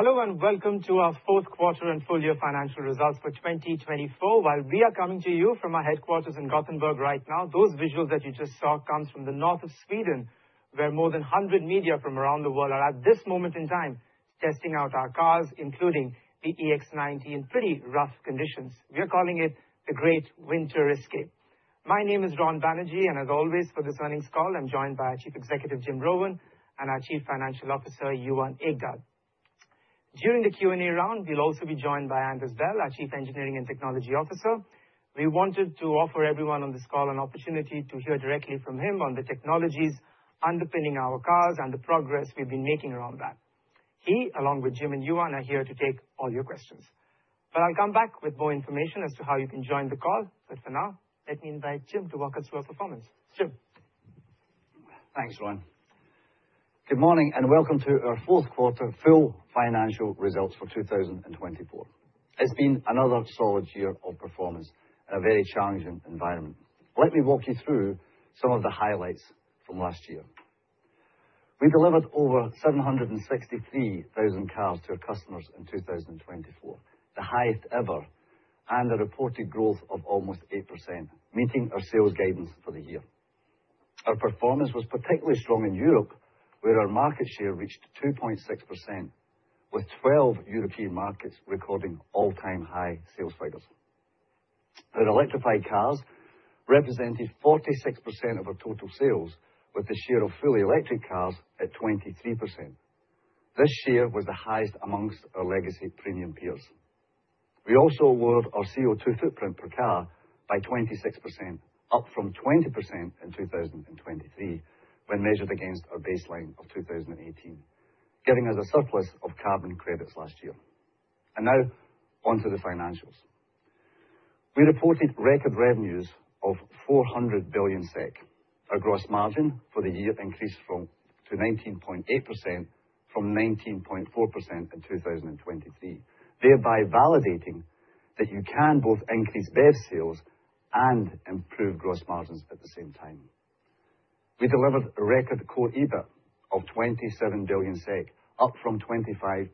Hello and welcome to our Fourth Quarter and Full Year Financial Results For 2024. While we are coming to you from our headquarters in Gothenburg right now, those visuals that you just saw come from the north of Sweden, where more than 100 media from around the world are at this moment in time testing out our cars, including the EX90, in pretty rough conditions. We are calling it the Great Winter Escape. My name is Ronojoy Banerjee, and as always for this earnings call, I'm joined by Chief Executive Jim Rowan and our Chief Financial Officer, Johan Ekdahl. During the Q&A round, we'll also be joined by AndersBell our Chief Engineering and Technology Officer. We wanted to offer everyone on this call an opportunity to hear directly from him on the technologies underpinning our cars and the progress we've been making around that. He, along with Jim Rowan and Johan Ekdahl, are here to take all your questions. But I'll come back with more information as to how you can join the call. But for now, let me invite Jim Rowan to walk us through our performance. Jim Rowan. Thanks, Ronojoy Banerjee. Good morning and welcome to our fourth quarter full financial results for 2024. It's been another solid year of performance in a very challenging environment. Let me walk you through some of the highlights from last year. We delivered over 763,000 cars to our customers in 2024, the highest ever, and a reported growth of almost 8%, meeting our sales guidance for the year. Our performance was particularly strong in Europe, where our market share reached 2.6%, with 12 European markets recording all-time high sales figures. Our electrified cars represented 46% of our total sales, with the share of fully electric cars at 23%. This share was the highest amongst our legacy premium peers. We also lowered our CO2 footprint per car by 26%, up from 20% in 2023 when measured against our baseline of 2018, giving us a surplus of carbon credits last year. Now on to the financials. We reported record revenues of 400 billion SEK, our gross margin for the year increased to 19.8% from 19.4% in 2023, thereby validating that you can both increase BEV sales and improve gross margins at the same time. We delivered a record core EBIT of 27 billion SEK, up from 25.6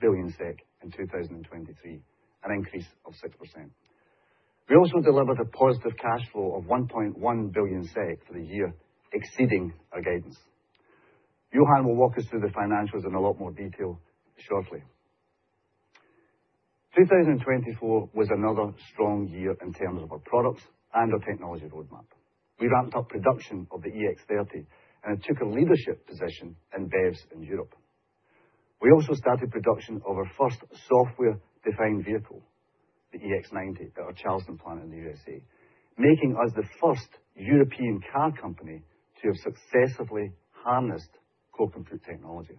billion SEK in 2023, an increase of 6%. We also delivered a positive cash flow of 1.1 billion SEK for the year, exceeding our guidance. Johan Ekdahl will walk us through the financials in a lot more detail shortly. 2024 was another strong year in terms of our products and our technology roadmap. We ramped up production of the EX30, and it took a leadership position in BEVs in Europe. We also started production of our first software-defined vehicle, the EX90, at our Charleston plant in the USA, making us the first European car company to have successfully harnessed core compute technology.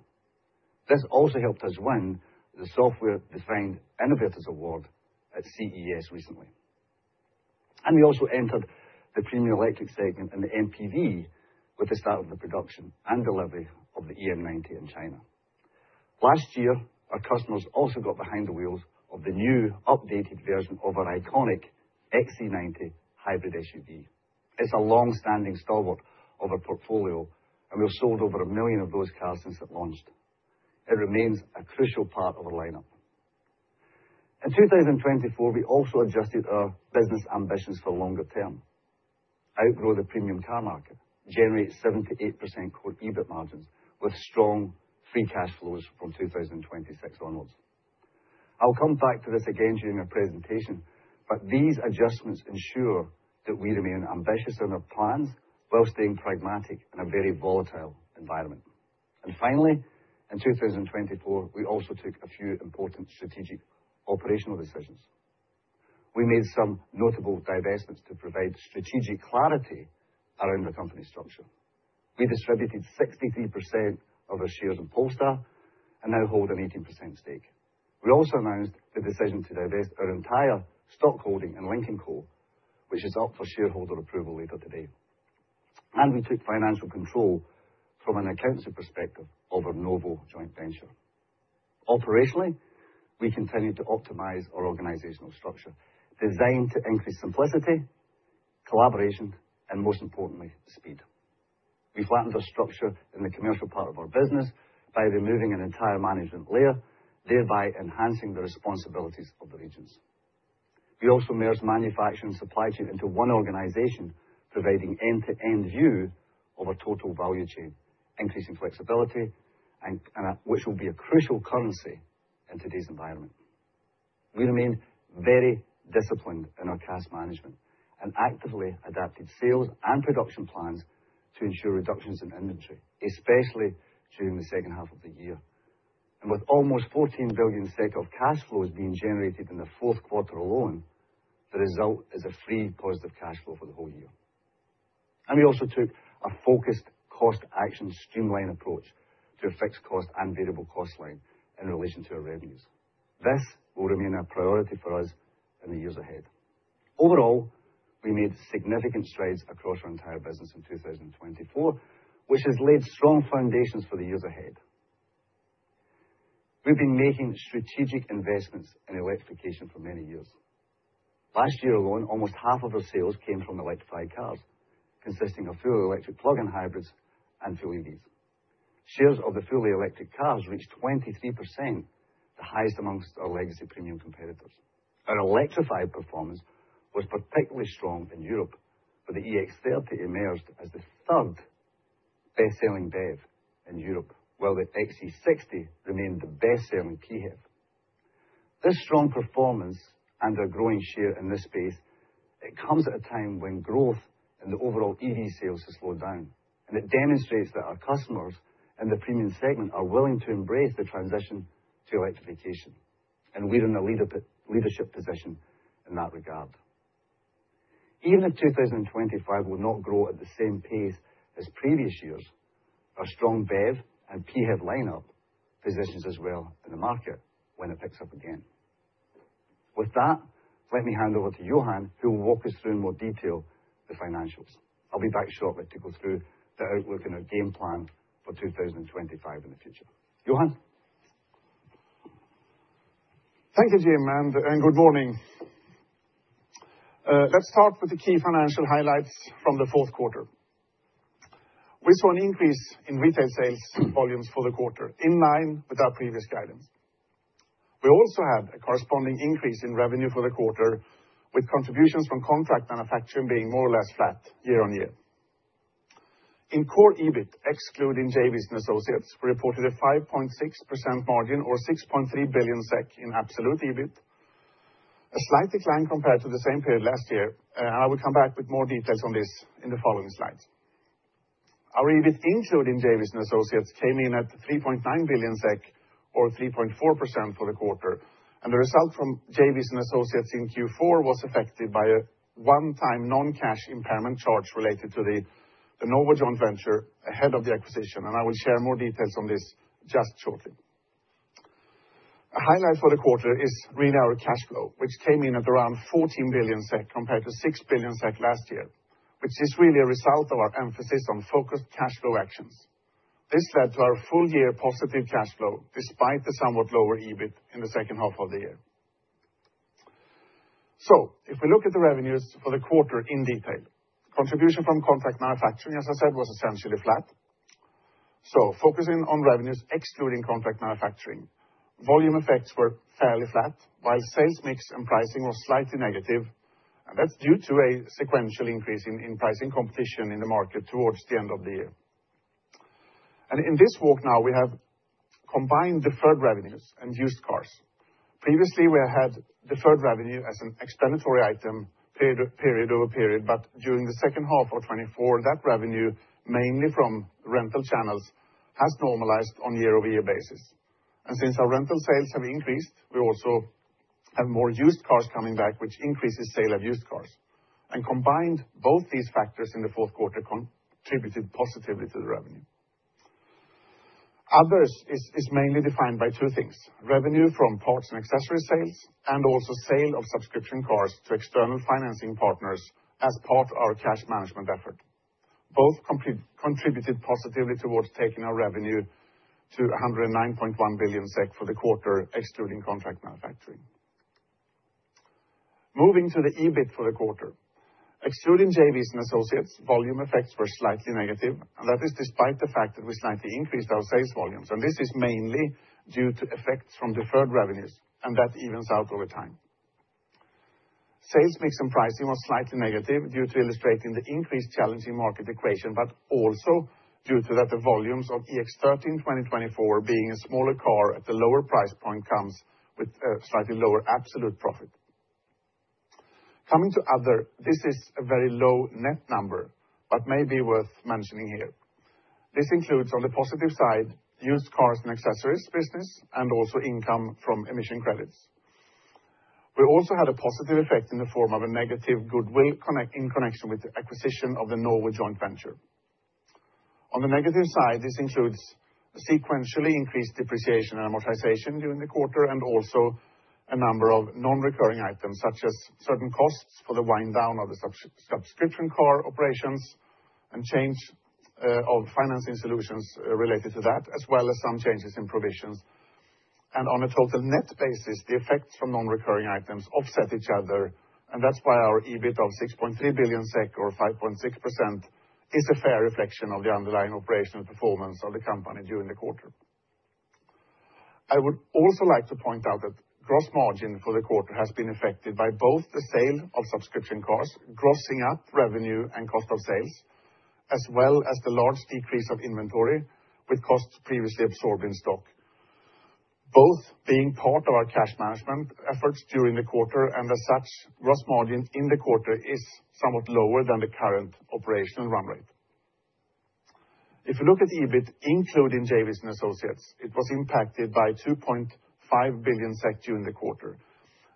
This also helped us win the Software-Defined Innovators Award at CES recently. We also entered the premium electric segment in the MPV with the start of the production and delivery of the EM90 in China. Last year, our customers also got behind the wheels of the new updated version of our iconic XC90 hybrid SUV. It's a long-standing stalwart of our portfolio, and we've sold over 1 million of those cars since it launched. It remains a crucial part of our lineup. In 2024, we also adjusted our business ambitions for the longer term, outgrow the premium car market, generate 7-8% core EBIT margins with strong free cash flows from 2026 onwards. I'll come back to this again during our presentation, but these adjustments ensure that we remain ambitious in our plans while staying pragmatic in a very volatile environment. And finally, in 2024, we also took a few important strategic operational decisions. We made some notable divestments to provide strategic clarity around our company structure. We distributed 63% of our shares in Polestar and now hold an 18% stake. We also announced the decision to divest our entire stockholding in Lynk & Co, which is up for shareholder approval later today. And we took financial control from an accountancy perspective of our Novo Energy joint venture. Operationally, we continued to optimize our organizational structure, designed to increase simplicity, collaboration, and most importantly, speed. We flattened our structure in the commercial part of our business by removing an entire management layer, thereby enhancing the responsibilities of the regions. We also merged manufacturing and supply chain into one organization, providing end-to-end view of our total value chain, increasing flexibility, which will be a crucial currency in today's environment. We remained very disciplined in our cash management and actively adapted sales and production plans to ensure reductions in inventory, especially during the second half of the year, and with almost 14 billion SEK of cash flows being generated in the fourth quarter alone, the result is a free positive cash flow for the whole year, and we also took a focused cost action streamline approach to our fixed cost and variable cost line in relation to our revenues. This will remain a priority for us in the years ahead. Overall, we made significant strides across our entire business in 2024, which has laid strong foundations for the years ahead. We've been making strategic investments in electrification for many years. Last year alone, almost half of our sales came from electrified cars, consisting of fully electric plug-in hybrids and fully EVs. Shares of the fully electric cars reached 23%, the highest among our legacy premium competitors. Our electrified performance was particularly strong in Europe, with the EX30 emerged as the third best-selling BEV in Europe, while the XC60 remained the best-selling PHEV. This strong performance and our growing share in this space comes at a time when growth in the overall EV sales has slowed down, and it demonstrates that our customers in the premium segment are willing to embrace the transition to electrification, and we're in a leadership position in that regard. Even if 2025 will not grow at the same pace as previous years, our strong BEV and PHEV lineup positions us well in the market when it picks up again. With that, let me hand over to Johan Ekdahl, who will walk us through in more detail the financials. I'll be back shortly to go through the outlook and our game plan for 2025 in the future. Johan Ekdahl. Thank you, Jim Rowan, and good morning. Let's start with the key financial highlights from the fourth quarter. We saw an increase in retail sales volumes for the quarter, in line with our previous guidance. We also had a corresponding increase in revenue for the quarter, with contributions from contract manufacturing being more or less flat year-on-year. In core EBIT, excluding JVs and associates, we reported a 5.6% margin, or 6.3 billion SEK in absolute EBIT, a slight decline compared to the same period last year, and I will come back with more details on this in the following slides. Our EBIT, including JVs and associates, came in at 3.9 billion SEK, or 3.4% for the quarter, and the result from JVs and associates in Q4 was affected by a one-time non-cash impairment charge related to the NOVO Joint Venture ahead of the acquisition, and I will share more details on this just shortly. A highlight for the quarter is really our cash flow, which came in at around 14 billion SEK compared to 6 billion SEK last year, which is really a result of our emphasis on focused cash flow actions. This led to our full year positive cash flow, despite the somewhat lower EBIT in the second half of the year. So if we look at the revenues for the quarter in detail, contribution from contract manufacturing, as I said, was essentially flat. Focusing on revenues, excluding contract manufacturing, volume effects were fairly flat, while sales mix and pricing were slightly negative, and that's due to a sequential increase in pricing competition in the market towards the end of the year. In this walk now, we have combined deferred revenues and used cars. Previously, we had deferred revenue as a separate item period over period, but during the second half of 2024, that revenue, mainly from rental channels, has normalized on a year-over-year basis. Since our rental sales have increased, we also have more used cars coming back, which increases sale of used cars. Combined, both these factors in the fourth quarter contributed positively to the revenue. Others is mainly defined by two things: revenue from parts and accessory sales, and also sale of subscription cars to external financing partners as part of our cash management effort. Both contributed positively towards taking our revenue to 109.1 billion SEK for the quarter, excluding contract manufacturing. Moving to the EBIT for the quarter, excluding JVs and associates, volume effects were slightly negative, and that is despite the fact that we slightly increased our sales volumes, and this is mainly due to effects from deferred revenues, and that evens out over time. Sales mix and pricing were slightly negative due to illustrating the increased challenge in market equation, but also due to the volumes of EX30 2024 being a smaller car at a lower price point comes with a slightly lower absolute profit. Coming to other, this is a very low net number, but may be worth mentioning here. This includes, on the positive side, used cars and accessories business, and also income from emission credits. We also had a positive effect in the form of a negative goodwill in connection with the acquisition of the Novo Energy. On the negative side, this includes sequentially increased depreciation and amortization during the quarter, and also a number of non-recurring items, such as certain costs for the wind-down of the subscription car operations and change of financing solutions related to that, as well as some changes in provisions. On a total net basis, the effects from non-recurring items offset each other, and that's why our EBIT of 6.3 billion SEK, or 5.6%, is a fair reflection of the underlying operational performance of the company during the quarter. I would also like to point out that gross margin for the quarter has been affected by both the sale of subscription cars, grossing up revenue and cost of sales, as well as the large decrease of inventory with costs previously absorbed in stock. Both being part of our cash management efforts during the quarter, and as such, gross margin in the quarter is somewhat lower than the current operational run rate. If you look at EBIT, including JVs and associates, it was impacted by 2.5 billion during the quarter.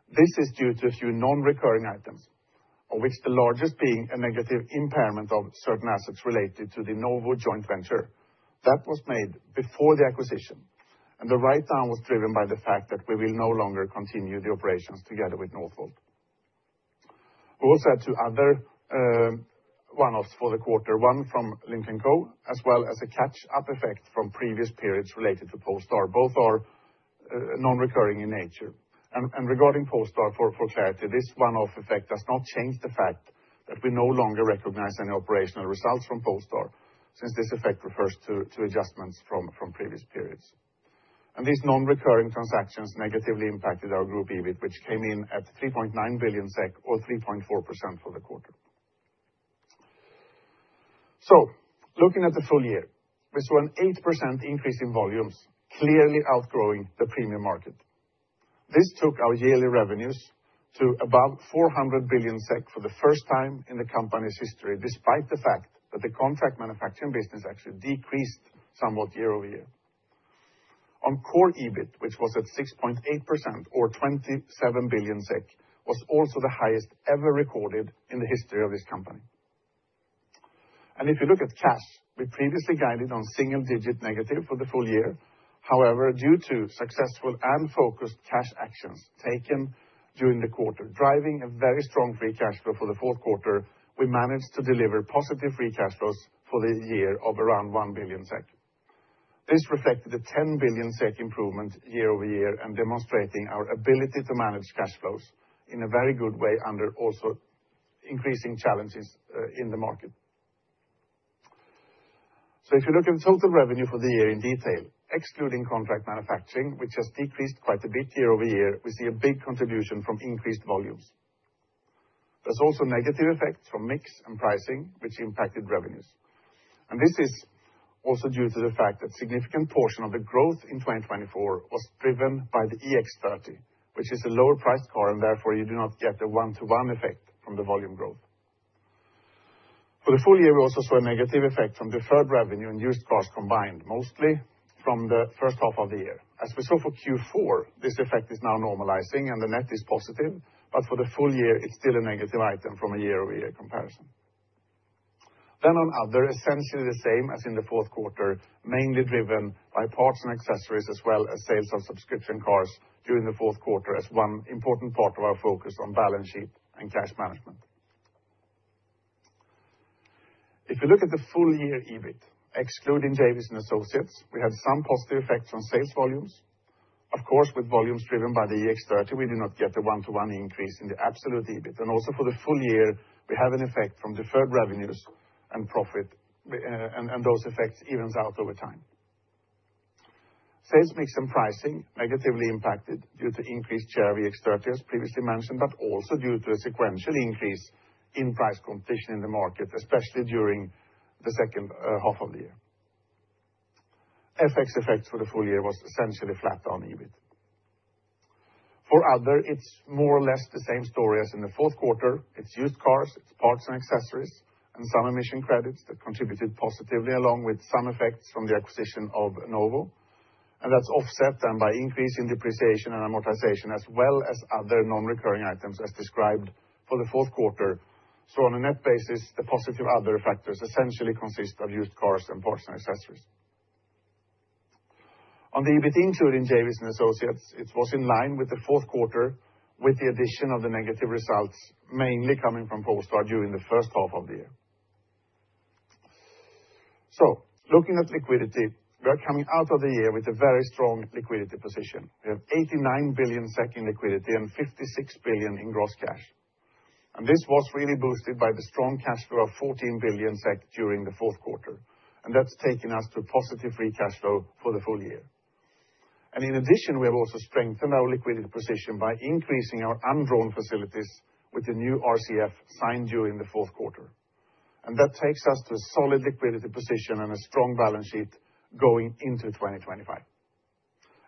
This is due to a few non-recurring items, of which the largest being a negative impairment of certain assets related to the Novo Energy that was made before the acquisition, and the write-down was driven by the fact that we will no longer continue the operations together with Northvolt. We also had two other one-offs for the quarter, one from Lynk & Co, as well as a catch-up effect from previous periods related to Polestar, both are non-recurring in nature. And regarding Polestar, for clarity, this one-off effect does not change the fact that we no longer recognize any operational results from Polestar, since this effect refers to adjustments from previous periods. And these non-recurring transactions negatively impacted our group EBIT, which came in at 3.9 billion SEK, or 3.4% for the quarter. So looking at the full year, we saw an 8% increase in volumes, clearly outgrowing the premium market. This took our yearly revenues to above 400 billion SEK for the first time in the company's history, despite the fact that the contract manufacturing business actually decreased somewhat year over year. On core EBIT, which was at 6.8% or 27 billion SEK, was also the highest ever recorded in the history of this company. If you look at cash, we previously guided on single-digit negative for the full year. However, due to successful and focused cash actions taken during the quarter, driving a very strong free cash flow for the fourth quarter, we managed to deliver positive free cash flows for the year of around 1 billion SEK. This reflected a 10 billion SEK improvement year over year and demonstrating our ability to manage cash flows in a very good way under also increasing challenges in the market. If you look at the total revenue for the year in detail, excluding contract manufacturing, which has decreased quite a bit year over year, we see a big contribution from increased volumes. There's also negative effects from mix and pricing, which impacted revenues. And this is also due to the fact that a significant portion of the growth in 2024 was driven by the EX30, which is a lower-priced car, and therefore you do not get the one-to-one effect from the volume growth. For the full year, we also saw a negative effect from deferred revenue and used cars combined, mostly from the first half of the year. As we saw for Q4, this effect is now normalizing and the net is positive, but for the full year, it's still a negative item from a year-over-year comparison. Then on other, essentially the same as in the fourth quarter, mainly driven by parts and accessories, as well as sales of subscription cars during the fourth quarter as one important part of our focus on balance sheet and cash management. If you look at the full year EBIT, excluding JBs and associates, we had some positive effects on sales volumes. Of course, with volumes driven by the EX30, we do not get a one-to-one increase in the absolute EBIT, and also for the full year, we have an effect from deferred revenues and profit, and those effects evens out over time. Sales mix and pricing negatively impacted due to increased share of EX30, as previously mentioned, but also due to a sequential increase in price competition in the market, especially during the second half of the year. FX effects for the full year were essentially flat on EBIT. For other, it's more or less the same story as in the fourth quarter. It's used cars, it's parts and accessories, and some emission credits that contributed positively, along with some effects from the acquisition of Novo, and that's offset by increase in depreciation and amortization, as well as other non-recurring items, as described for the fourth quarter. So on a net basis, the positive other factors essentially consist of used cars and parts and accessories. On the EBIT, including JVs and associates, it was in line with the fourth quarter, with the addition of the negative results, mainly coming from Polestar during the first half of the year. So looking at liquidity, we are coming out of the year with a very strong liquidity position. We have 89 billion SEK in liquidity and 56 billion in gross cash. And this was really boosted by the strong cash flow of 14 billion SEK during the fourth quarter, and that's taken us to positive free cash flow for the full year. And in addition, we have also strengthened our liquidity position by increasing our undrawn facilities with the new RCF signed during the fourth quarter. And that takes us to a solid liquidity position and a strong balance sheet going into 2025.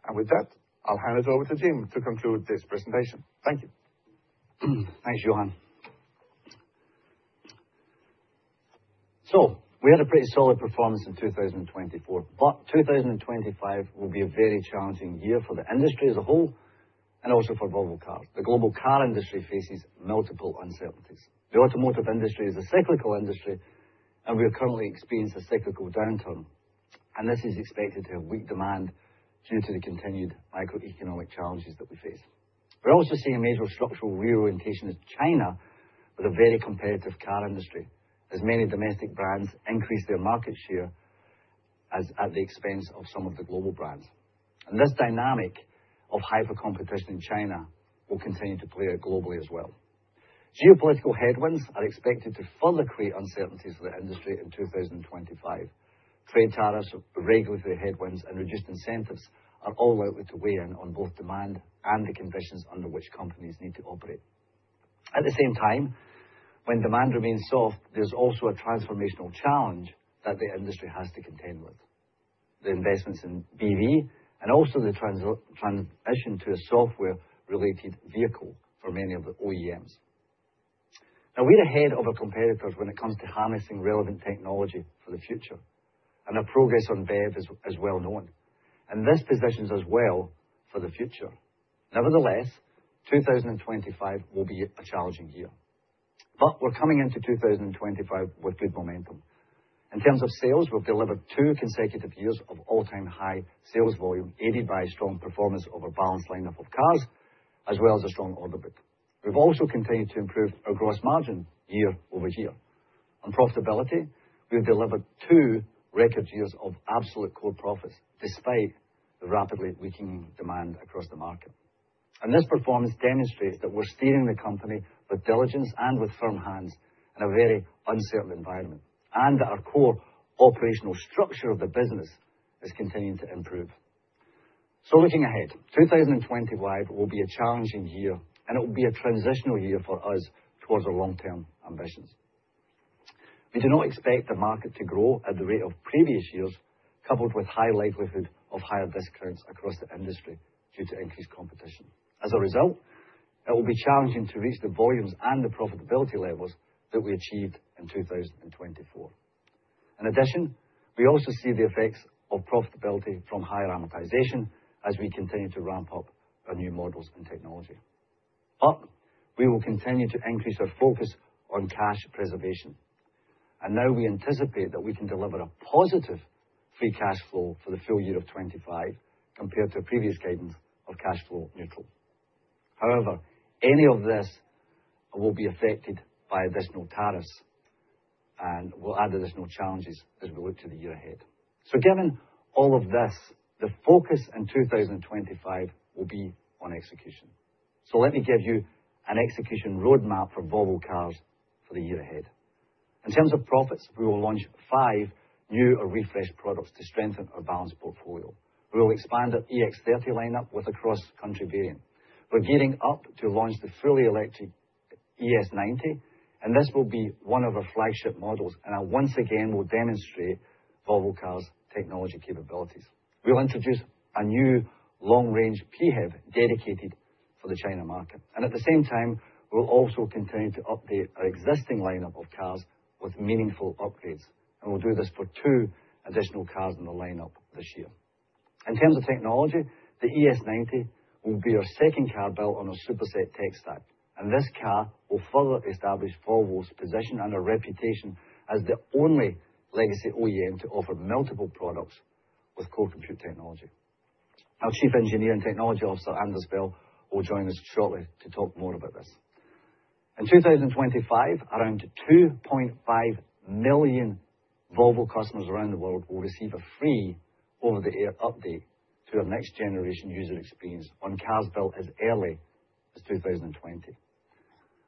And with that, I'll hand it over to Jim Rowan to conclude this presentation. Thank you. Thanks, Johan Ekdahl. So we had a pretty solid performance in 2024, but 2025 will be a very challenging year for the industry as a whole and also for Volvo Cars. The global car industry faces multiple uncertainties. The automotive industry is a cyclical industry, and we are currently experiencing a cyclical downturn, and this is expected to have weak demand due to the continued microeconomic challenges that we face. We're also seeing a major structural reorientation of China, with a very competitive car industry, as many domestic brands increase their market share at the expense of some of the global brands. And this dynamic of hyper-competition in China will continue to play out globally as well. Geopolitical headwinds are expected to further create uncertainties for the industry in 2025. Trade tariffs, regulatory headwinds, and reduced incentives are all likely to weigh in on both demand and the conditions under which companies need to operate. At the same time, when demand remains soft, there's also a transformational challenge that the industry has to contend with: the investments in BEV and also the transition to a software-related vehicle for many of the OEMs. Now, we're ahead of our competitors when it comes to harnessing relevant technology for the future, and our progress on BEV is well known, and this positions us well for the future. Nevertheless, 2025 will be a challenging year, but we're coming into 2025 with good momentum. In terms of sales, we've delivered two consecutive years of all-time high sales volume, aided by a strong performance of our balanced lineup of cars, as well as a strong order book. We've also continued to improve our gross margin year over year. On profitability, we've delivered two record years of absolute core profits, despite the rapidly weakening demand across the market. And this performance demonstrates that we're steering the company with diligence and with firm hands in a very uncertain environment, and that our core operational structure of the business is continuing to improve. So looking ahead, 2025 will be a challenging year, and it will be a transitional year for us towards our long-term ambitions. We do not expect the market to grow at the rate of previous years, coupled with high likelihood of higher discounts across the industry due to increased competition. As a result, it will be challenging to reach the volumes and the profitability levels that we achieved in 2024. In addition, we also see the effects of profitability from higher amortization as we continue to ramp up our new models and technology. We will continue to increase our focus on cash preservation, and now we anticipate that we can deliver a positive free cash flow for the full year of 2025 compared to previous guidance of cash flow neutral. However, any of this will be affected by additional tariffs, and we'll add additional challenges as we look to the year ahead. Given all of this, the focus in 2025 will be on execution. Let me give you an execution roadmap for Volvo Cars for the year ahead. In terms of products, we will launch five new or refreshed products to strengthen our balanced portfolio. We will expand our EX30 lineup with a cross-country variant. We're gearing up to launch the fully electric ES90, and this will be one of our flagship models, and once again, we'll demonstrate Volvo Cars' technology capabilities. We'll introduce a new long-range PHEV dedicated for the China market, and at the same time, we'll also continue to update our existing lineup of cars with meaningful upgrades, and we'll do this for two additional cars in the lineup this year. In terms of technology, the ES90 will be our second car built on a Superset tech stack, and this car will further establish Volvo's position and our reputation as the only legacy OEM to offer multiple products with core compute technology. Our Chief Engineering and Technology Officer, AndersBell will join us shortly to talk more about this. In 2025, around 2.5 million Volvo customers around the world will receive a free over-the-air update to our next-generation user experience when cars built as early as 2020.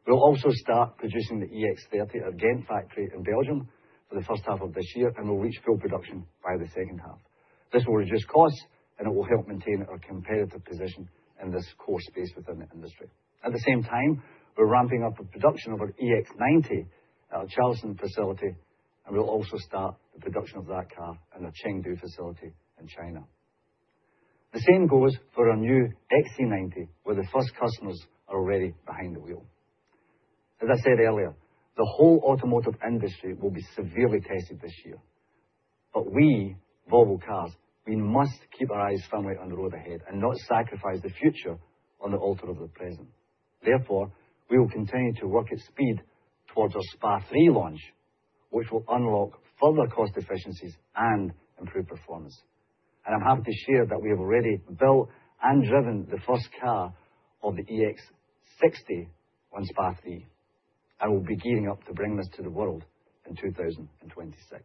We'll also start producing the EX30 at Ghent factory in Belgium for the first half of this year, and we'll reach full production by the second half. This will reduce costs, and it will help maintain our competitive position in this core space within the industry. At the same time, we're ramping up the production of our EX90 at our Charleston facility, and we'll also start the production of that car in our Chengdu facility in China. The same goes for our new XC90, where the first customers are already behind the wheel. As I said earlier, the whole automotive industry will be severely tested this year, but we, Volvo Cars, we must keep our eyes firmly on the road ahead and not sacrifice the future on the altar of the present. Therefore, we will continue to work at speed towards our SPA 3 launch, which will unlock further cost efficiencies and improve performance. I'm happy to share that we have already built and driven the first car of the EX60 on SPA 3, and we'll be gearing up to bring this to the world in 2026.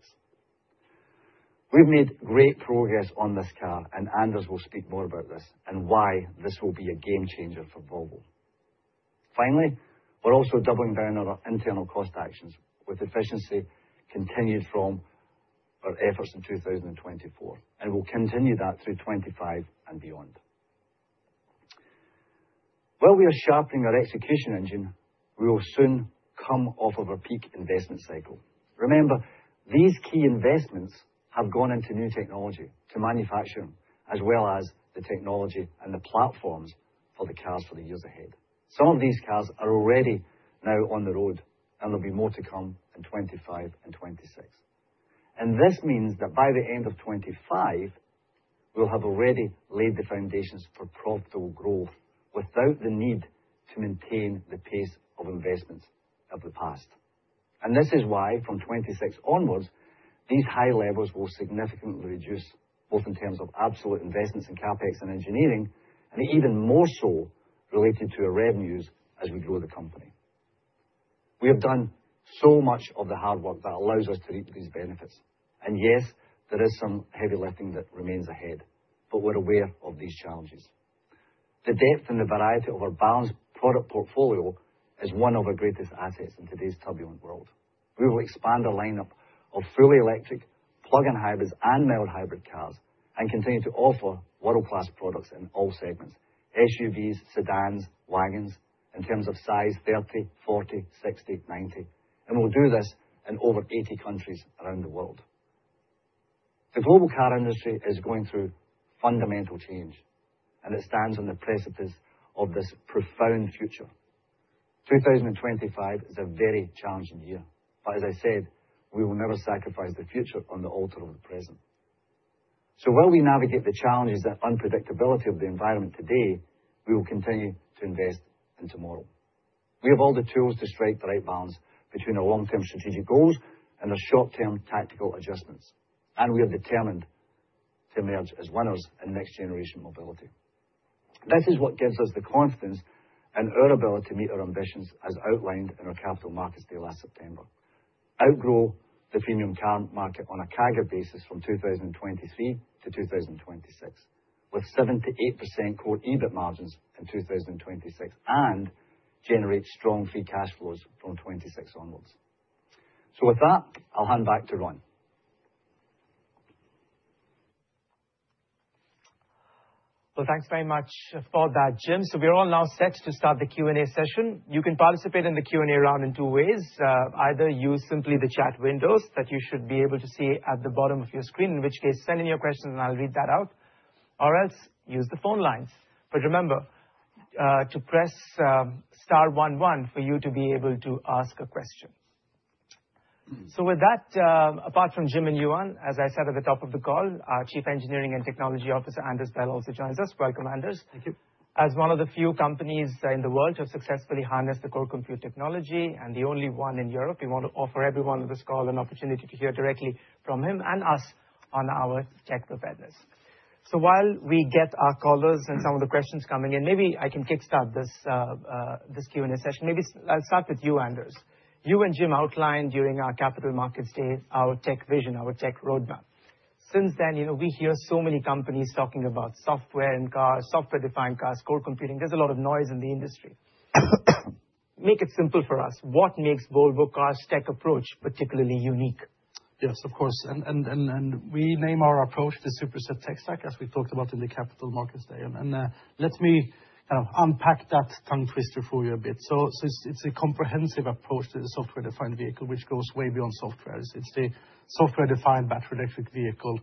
We've made great progress on this car, and Anders Bell will speak more about this and why this will be a game-changer for Volvo. Finally, we're also doubling down on our internal cost actions, with efficiency continued from our efforts in 2024, and we'll continue that through 2025 and beyond. While we are sharpening our execution engine, we will soon come off of our peak investment cycle. Remember, these key investments have gone into new technology to manufacturing, as well as the technology and the platforms for the cars for the years ahead. Some of these cars are already now on the road, and there'll be more to come in 2025 and 2026. And this means that by the end of 2025, we'll have already laid the foundations for profitable growth without the need to maintain the pace of investments of the past. And this is why, from 2026 onwards, these high levels will significantly reduce, both in terms of absolute investments in CapEx and engineering, and even more so related to our revenues as we grow the company. We have done so much of the hard work that allows us to reap these benefits. And yes, there is some heavy lifting that remains ahead, but we're aware of these challenges. The depth and the variety of our balanced product portfolio is one of our greatest assets in today's turbulent world. We will expand our lineup of fully electric, plug-in hybrids, and mild hybrid cars and continue to offer world-class products in all segments: SUVs, sedans, wagons in terms of size: 30, 40, 60, 90. And we'll do this in over 80 countries around the world. The global car industry is going through fundamental change, and it stands on the precipice of this profound future. 2025 is a very challenging year, but as I said, we will never sacrifice the future on the altar of the present. So while we navigate the challenges and unpredictability of the environment today, we will continue to invest in tomorrow. We have all the tools to strike the right balance between our long-term strategic goals and our short-term tactical adjustments, and we are determined to emerge as winners in next-generation mobility. This is what gives us the confidence and our ability to meet our ambitions, as outlined in our capital markets day last September: outgrow the premium car market on a CAGR basis from 2023 to 2026, with 7% to 8% core EBIT margins in 2026, and generate strong free cash flows from 2026 onwards. So with that, I'll hand back to Ronojoy Banerjee. Thanks very much for that, Jim Rowan. We are all now set to start the Q&A session. You can participate in the Q&A round in two ways. Either use simply the chat windows that you should be able to see at the bottom of your screen, in which case send in your questions and I'll read that out, or else use the phone lines. But remember to press star 11 for you to be able to ask a question. With that, apart from Jim Rowan and Johan Ekdahl, as I said at the top of the call, our Chief Engineering and Technology Officer, AndersBell also joins us. Welcome, Anders Bell. Thank you. As one of the few companies in the world who have successfully harnessed the core compute technology and the only one in Europe, we want to offer everyone on this call an opportunity to hear directly from him and us on our tech preparedness. So while we get our callers and some of the questions coming in, maybe I can kickstart this Q&A session. Maybe I'll start with you, Anders Bell. You and Jim Rowan outlined during our Capital Markets Day our tech vision, our tech roadmap. Since then, we hear so many companies talking about software in cars, software-defined cars, core computing. There's a lot of noise in the industry. Make it simple for us. What makes Volvo Cars' tech approach particularly unique? Yes, of course. And we name our approach the Superset tech stack, as we talked about in the Capital Markets Day. And let me kind of unpack that tongue twister for you a bit. So it's a comprehensive approach to the software-defined vehicle, which goes way beyond software. It's the software-defined battery electric vehicle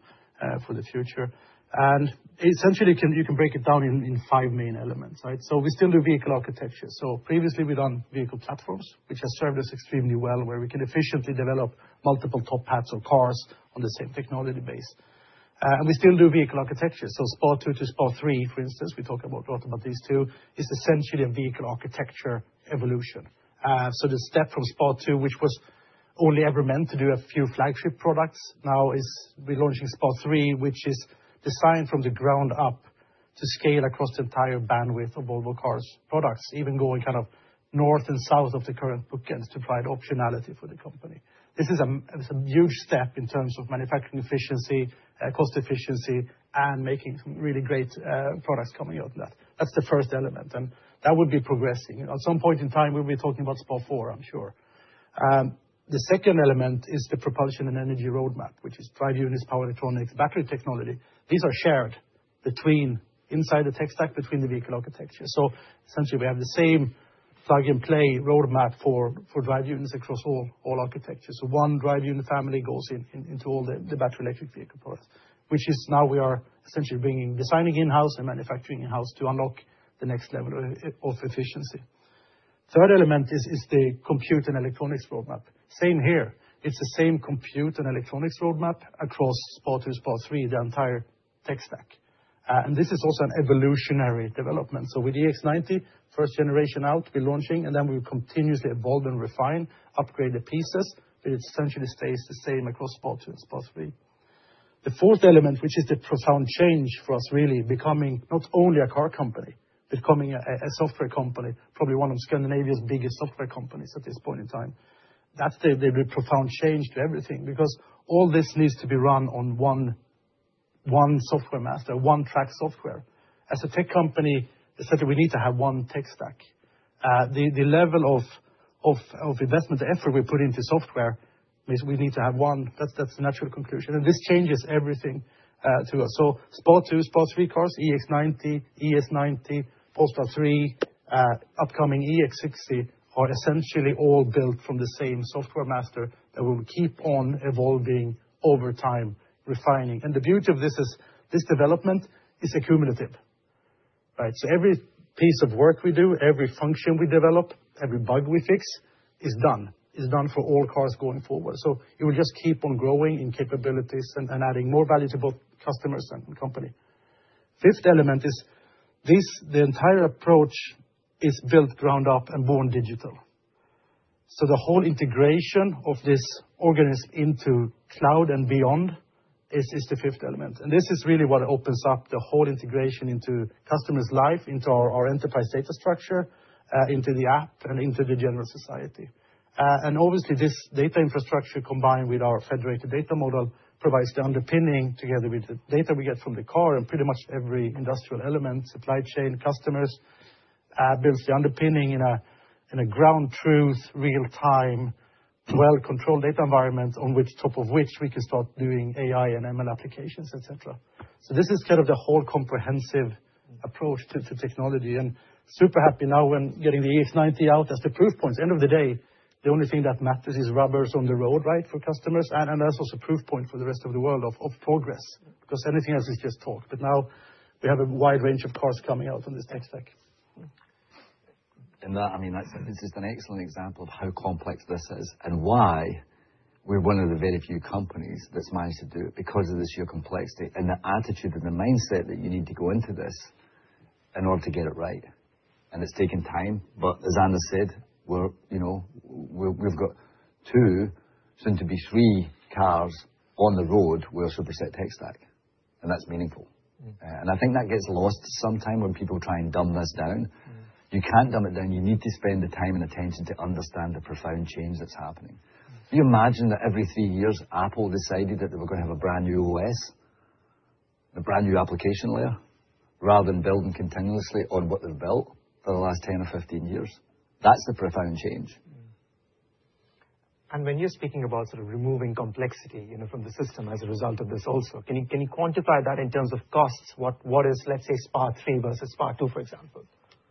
for the future. And essentially, you can break it down in five main elements, right? So we still do vehicle architecture. So previously, we've done vehicle platforms, which have served us extremely well, where we can efficiently develop multiple top hats or cars on the same technology base. And we still do vehicle architecture. So SPA 2 to SPA 3, for instance, we talk a lot about these two, is essentially a vehicle architecture evolution. The step from SPA 2, which was only ever meant to do a few flagship products, now is we're launching SPA 3, which is designed from the ground up to scale across the entire bandwidth of Volvo Cars' products, even going kind of north and south of the current bookends to provide optionality for the company. This is a huge step in terms of manufacturing efficiency, cost efficiency, and making some really great products coming out of that. That's the first element, and that will be progressing. At some point in time, we'll be talking about SPA 4, I'm sure. The second element is the propulsion and energy roadmap, which is drive units, power electronics, battery technology. These are shared inside the tech stack, between the vehicle architecture. Essentially, we have the same plug-and-play roadmap for drive units across all architectures. So one drive unit family goes into all the battery electric vehicle products, which now we are essentially designing in-house and manufacturing in-house to unlock the next level of efficiency. Third element is the compute and electronics roadmap. Same here. It's the same compute and electronics roadmap across SPA 2, SPA 3, the entire tech stack. And this is also an evolutionary development. So with the EX90, first generation out, we're launching, and then we will continuously evolve and refine, upgrade the pieces, but it essentially stays the same across SPA 2 and SPA 3. The fourth element, which is the profound change for us, really becoming not only a car company, but becoming a software company, probably one of Scandinavia's biggest software companies at this point in time. That's the profound change to everything because all this needs to be run on one software master, one track software. As a tech company, we said we need to have one tech stack. The level of investment effort we put into software means we need to have one. That's the natural conclusion. And this changes everything to us. So SPA 2, SPA 3 cars, EX90, ES90, Polestar 3, upcoming EX60 are essentially all built from the same software master that we will keep on evolving over time, refining. And the beauty of this is this development is cumulative, right? So every piece of work we do, every function we develop, every bug we fix is done, is done for all cars going forward. So you will just keep on growing in capabilities and adding more value to both customers and company. Fifth element is the entire approach is built ground up and born digital. So the whole integration of this organism into cloud and beyond is the fifth element. And this is really what opens up the whole integration into customer's life, into our enterprise data structure, into the app, and into the general society. And obviously, this data infrastructure combined with our federated data model provides the underpinning together with the data we get from the car and pretty much every industrial element, supply chain, customers, builds the underpinning in a ground truth, real-time, well-controlled data environment on top of which we can start doing AI and ML applications, et cetera. So this is kind of the whole comprehensive approach to technology. And super happy now when getting the EX90 out as the proof points. At the end of the day, the only thing that matters is rubbers on the road, right, for customers, and that's also a proof point for the rest of the world of progress because anything else is just talk. But now we have a wide range of cars coming out on this tech stack. That, I mean, this is an excellent example of how complex this is and why we're one of the very few companies that's managed to do it because of this sheer complexity and the attitude and the mindset that you need to go into this in order to get it right. And it's taken time, but as Anders Bell said, we've got two, soon to be three cars on the road with a Superset tech stack, and that's meaningful. And I think that gets lost sometimes when people try and dumb this down. You can't dumb it down. You need to spend the time and attention to understand the profound change that's happening. Can you imagine that every three years Apple decided that they were going to have a brand new OS, a brand new application layer, rather than building continuously on what they've built for the last 10 or 15 years? That's the profound change. When you're speaking about sort of removing complexity from the system as a result of this also, can you quantify that in terms of costs? What is, let's say, SPA 3 versus SPA 2, for example?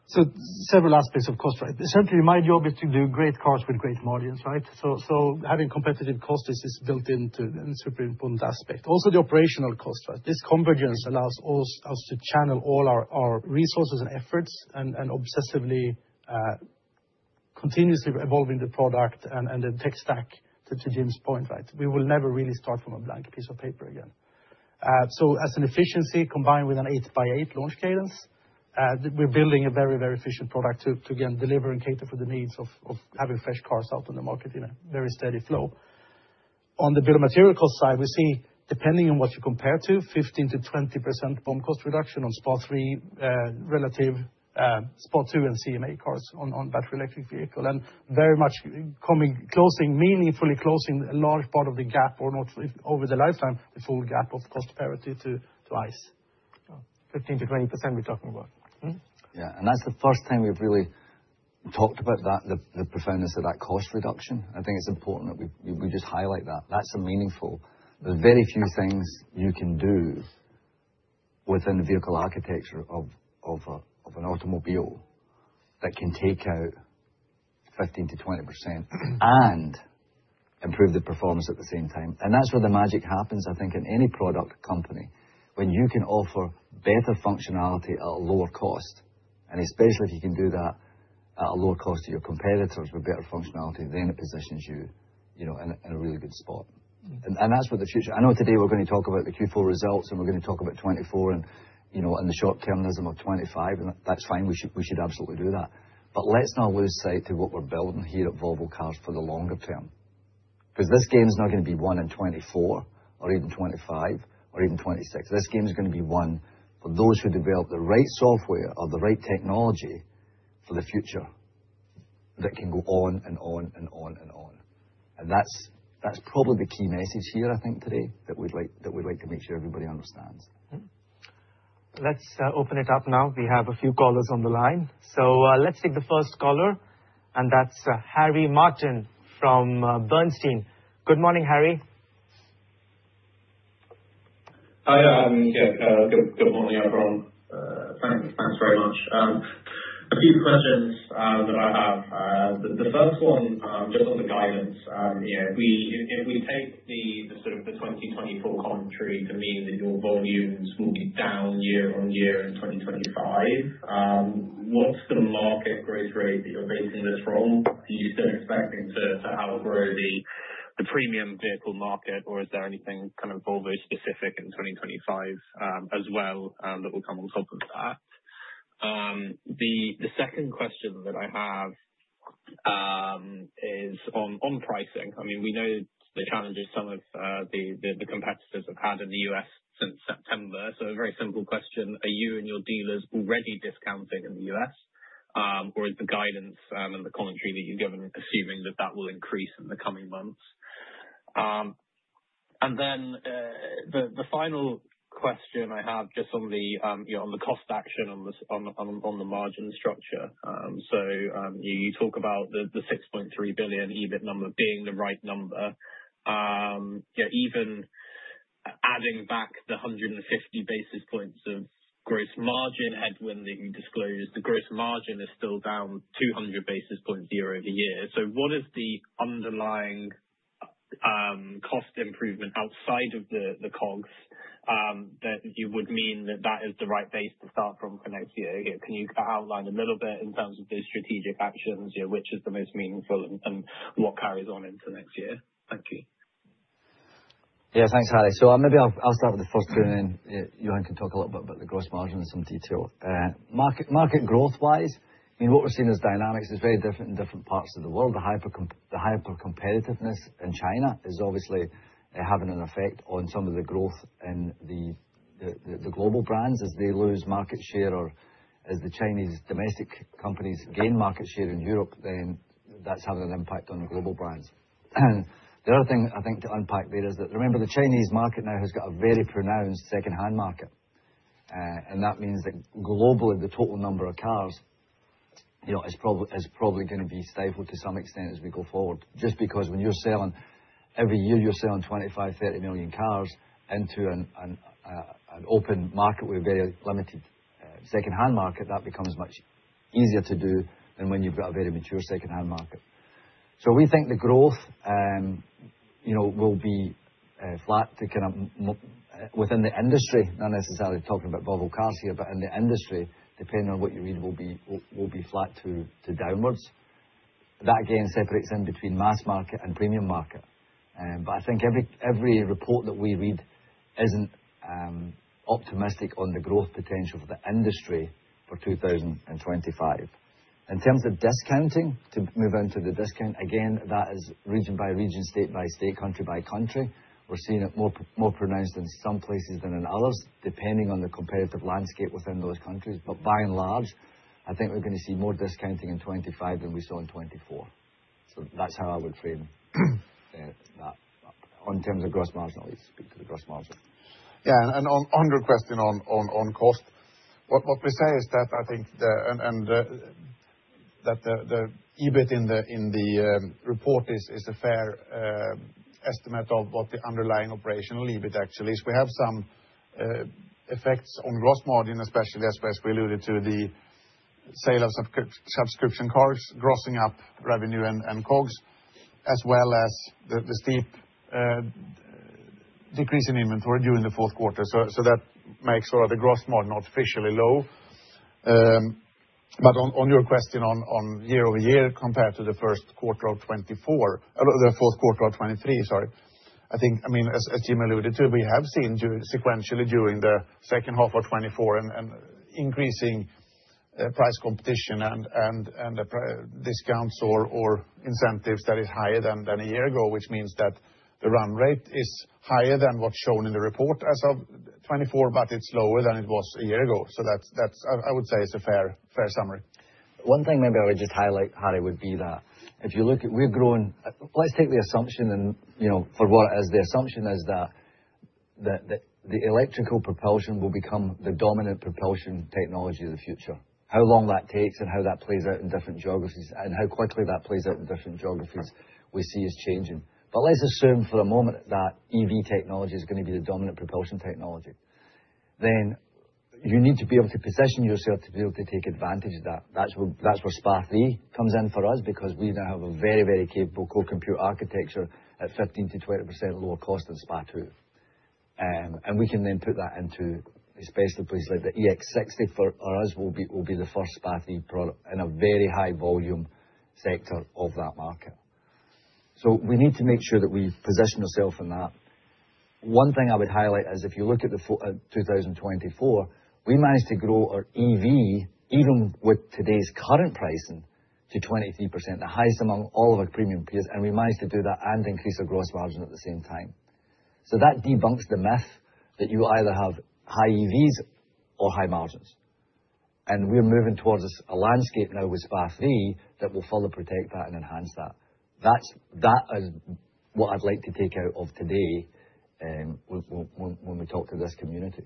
So several aspects of cost, right? It certainly reminds you, obviously, to do great cars with great margins, right? So having competitive cost is built into a super important aspect. Also, the operational cost, right? This convergence allows us to channel all our resources and efforts and obsessively continuously evolving the product and the tech stack Jim's Rowan point, right? We will never really start from a blank piece of paper again. So as an efficiency combined with an eight-by-eight launch cadence, we're building a very, very efficient product to again deliver and cater for the needs of having fresh cars out on the market in a very steady flow. On the bill of material cost side, we see, depending on what you compare to, 15%-20% BOM cost reduction on SPA 3 relative to SPA 2 and CMA cars on battery electric vehicle and very much closing, meaningfully closing a large part of the gap or not over the lifetime, the full gap of cost parity to ICE. 15%-20% we're talking about. Yeah. And that's the first time we've really talked about the profoundness of that cost reduction. I think it's important that we just highlight that. That's meaningful. There's very few things you can do within the vehicle architecture of an automobile that can take out 15%-20% and improve the performance at the same time. And that's where the magic happens, I think, in any product company. When you can offer better functionality at a lower cost, and especially if you can do that at a lower cost to your competitors with better functionality, then it positions you in a really good spot. And that's what the future. I know today we're going to talk about the Q4 results and we're going to talk about 2024 and the short-termism of 2025, and that's fine. We should absolutely do that. But let's not lose sight of what we're building here at Volvo Cars for the longer term because this game is not going to be won in 2024 or even 2025 or even 2026. This game is going to be won for those who develop the right software or the right technology for the future that can go on and on and on and on. And that's probably the key message here, I think, today that we'd like to make sure everybody understands. Let's open it up now. We have a few callers on the line. So let's take the first caller, and that's Harry Martin from Bernstein. Good morning, Harry. Hi, yeah, good morning, everyone. Thanks very much. A few questions that I have. The first one just on the guidance. If we take the sort of the 2024 commentary to mean that your volumes will be down year on year in 2025, what's the market growth rate that you're facing this from? Are you still expecting to outgrow the premium vehicle market, or is there anything kind of Volvo-specific in 2025 as well that will come on top of that? The second question that I have is on pricing. I mean, we know the challenges some of the competitors have had in the U.S., since September. So a very simple question: Are you and your dealers already discounting in the U.S., or is the guidance and the commentary that you've given assuming that that will increase in the coming months? And then, the final question I have just on the cost action on the margin structure. So you talk about the 6.3 billion EBIT number being the right number. Even adding back the 150 basis points of gross margin headwind that you disclosed, the gross margin is still down 200 basis points year over year. So what is the underlying cost improvement outside of the COGS that you would mean that that is the right base to start from for next year? Can you outline a little bit in terms of the strategic actions, which is the most meaningful, and what carries on into next year? Thank you. Yeah, thanks, Alex. So maybe I'll start with the first point, and then Johan Ekdahl can talk a little bit about the gross margin in some detail. Market growth-wise, I mean, what we're seeing as dynamics is very different in different parts of the world. The hyper-competitiveness in China is obviously having an effect on some of the growth in the global brands. As they lose market share or as the Chinese domestic companies gain market share in Europe, then that's having an impact on the global brands. The other thing I think to unpack there is that remember the Chinese market now has got a very pronounced second-hand market, and that means that globally the total number of cars is probably going to be stifled to some extent as we go forward. Just because when you're selling every year, you're selling 25-30 million cars into an open market with a very limited second-hand market, that becomes much easier to do than when you've got a very mature second-hand market. So we think the growth will be flat within the industry, not necessarily talking about Volvo Cars here, but in the industry, depending on what you read, will be flat to downwards. That again separates in between mass market and premium market. But I think every report that we read isn't optimistic on the growth potential for the industry for 2025. In terms of discounting, to move on to the discount, again, that is region by region, state by state, country by country. We're seeing it more pronounced in some places than in others, depending on the competitive landscape within those countries. But by and large, I think we're going to see more discounting in 2025 than we saw in 2024. So that's how I would frame that in terms of gross margin, at least speak to the gross margin. Yeah, and on your question on cost, what we say is that I think that the EBIT in the report is a fair estimate of what the underlying operational EBIT actually is. We have some effects on gross margin, especially as we alluded to the sale of subscription cars, grossing up revenue and COGS, as well as the steep decrease in inventory during the fourth quarter. So that makes sort of the gross margin not officially low. But on your question on year-over-year compared to the first quarter of 2024, the fourth quarter of 2023, sorry, I think, I mean, as Jim Rowan alluded to, we have seen sequentially during the second half of 2024 an increasing price competition and discounts or incentives that is higher than a year ago, which means that the run rate is higher than what's shown in the report as of 2024, but it's lower than it was a year ago. So I would say it's a fair summary. One thing maybe I would just highlight, Harry, would be that if you look, we're growing. Let's take the assumption for what it is. The assumption is that the electric propulsion will become the dominant propulsion technology of the future. How long that takes and how that plays out in different geographies and how quickly that plays out in different geographies we see is changing, but let's assume for a moment that EV technology is going to be the dominant propulsion technology. Then you need to be able to position yourself to be able to take advantage of that. That's where SPA 3 comes in for us because we now have a very, very capable core compute architecture at 15%-20% lower cost than SPA 2. And we can then put that into especially places like the EX60 for us will be the first SPA 3 product in a very high volume sector of that market. So we need to make sure that we position ourselves in that. One thing I would highlight is if you look at 2024, we managed to grow our EV even with today's current pricing to 23%, the highest among all of our premium peers, and we managed to do that and increase our gross margin at the same time. So that debunks the myth that you either have high EVs or high margins. And we're moving towards a landscape now with SPA 3 that will further protect that and enhance that. That is what I'd like to take out of today when we talk to this community.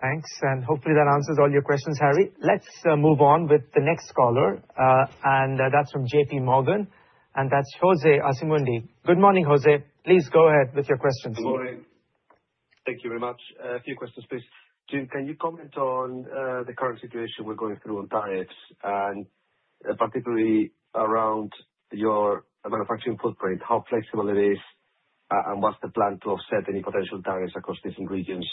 Thanks. And hopefully that answers all your questions, Harry. Let's move on with the next caller, and that's from JP. Morgan, and that's José Asumendi. Good morning, José Asumend Please go ahead with your questions. Good morning. Thank you very much. A few questions, please. Jim Rowan, can you comment on the current situation we're going through on tariffs and particularly around your manufacturing footprint, how flexible it is, and what's the plan to offset any potential tariffs across different regions?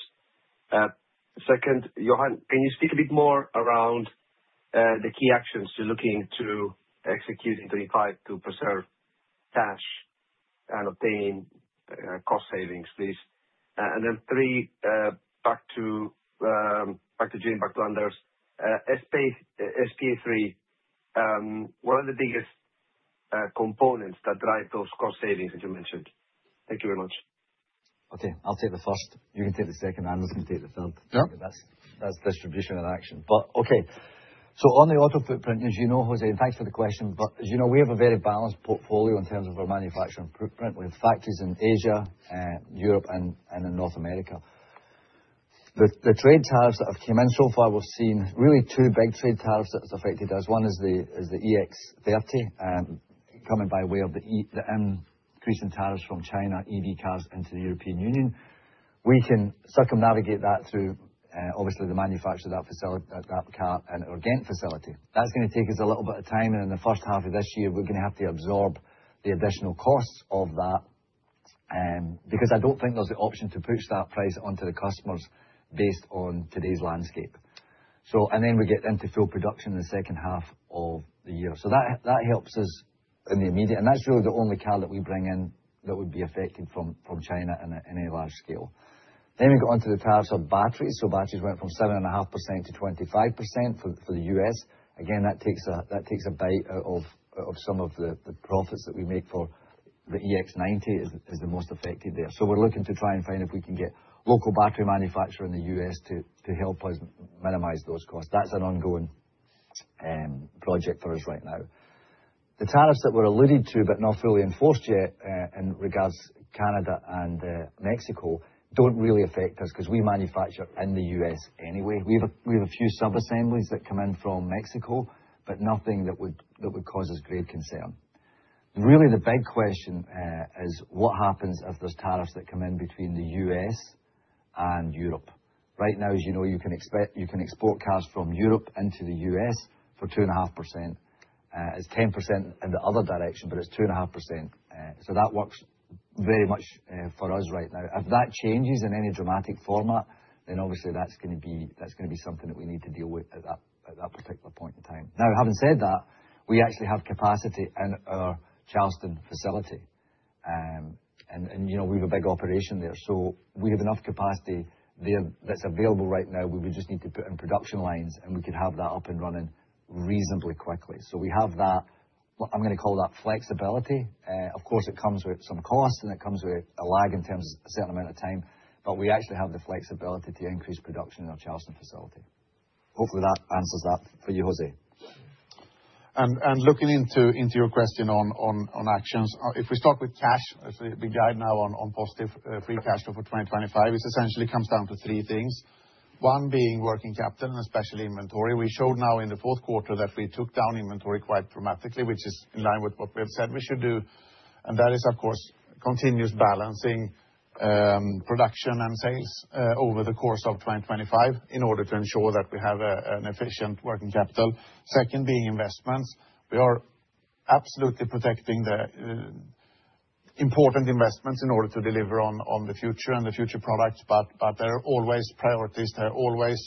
Second, Johan Ekdahl, can you speak a bit more around the key actions you're looking to execute in 2025 to preserve cash and obtain cost savings, please? And then three, back to Jim Rowan, back to Anders Bell, SPA 3, what are the biggest components that drive those cost savings that you mentioned? Thank you very much. Okay, I'll take the first. You can take the second, and Anders Bell can take the third. That's distribution and action. But okay, so on the auto footprint, as you know, José Asumend and thanks for the question, but as you know, we have a very balanced portfolio in terms of our manufacturing footprint. We have factories in Asia, Europe, and in North America. The trade tariffs that have come in so far, we've seen really two big trade tariffs that have affected us. One is the EX30 coming by way of the increase in tariffs from China EV cars into the European Union. We can circumnavigate that through, obviously, the manufacture of that car at our Ghent facility. That's going to take us a little bit of time, and in the first half of this year, we're going to have to absorb the additional costs of that because I don't think there's an option to push that price onto the customers based on today's landscape. And then we get into full production in the second half of the year. So that helps us in the immediate, and that's really the only car that we bring in that would be affected from China in a large scale. Then we got onto the tariffs on batteries. So batteries went from 7.5% to 25% for the U.S. Again, that takes a bite out of some of the profits that we make for the EX90 is the most affected there. So we're looking to try and find if we can get local battery manufacturers in the U.S., to help us minimize those costs. That's an ongoing project for us right now. The tariffs that were alluded to but not fully enforced yet in regards to Canada and Mexico don't really affect us because we manufacture in the US anyway. We have a few subassemblies that come in from Mexico, but nothing that would cause us great concern. Really, the big question is what happens if there's tariffs that come in between the U.S., and Europe. Right now, as you know, you can export cars from Europe into the U.S., for 2.5%. It's 10% in the other direction, but it's 2.5%. So that works very much for us right now. If that changes in any dramatic format, then obviously that's going to be something that we need to deal with at that particular point in time. Now, having said that, we actually have capacity in our Charleston facility, and we have a big operation there. So we have enough capacity there that's available right now. We would just need to put in production lines, and we could have that up and running reasonably quickly. So we have that, I'm going to call that flexibility. Of course, it comes with some costs, and it comes with a lag in terms of a certain amount of time, but we actually have the flexibility to increase production in our Charleston facility. Hopefully, that answers that for you, José Asumend Looking into your question on actions, if we start with cash, the guidance now on positive free cash flow for 2025, it essentially comes down to three things. One being working capital and especially inventory. We showed now in the fourth quarter that we took down inventory quite dramatically, which is in line with what we have said we should do. And that is, of course, continuous balancing production and sales over the course of 2025 in order to ensure that we have an efficient working capital. Second being investments. We are absolutely protecting the important investments in order to deliver on the future and the future products, but there are always priorities. There are always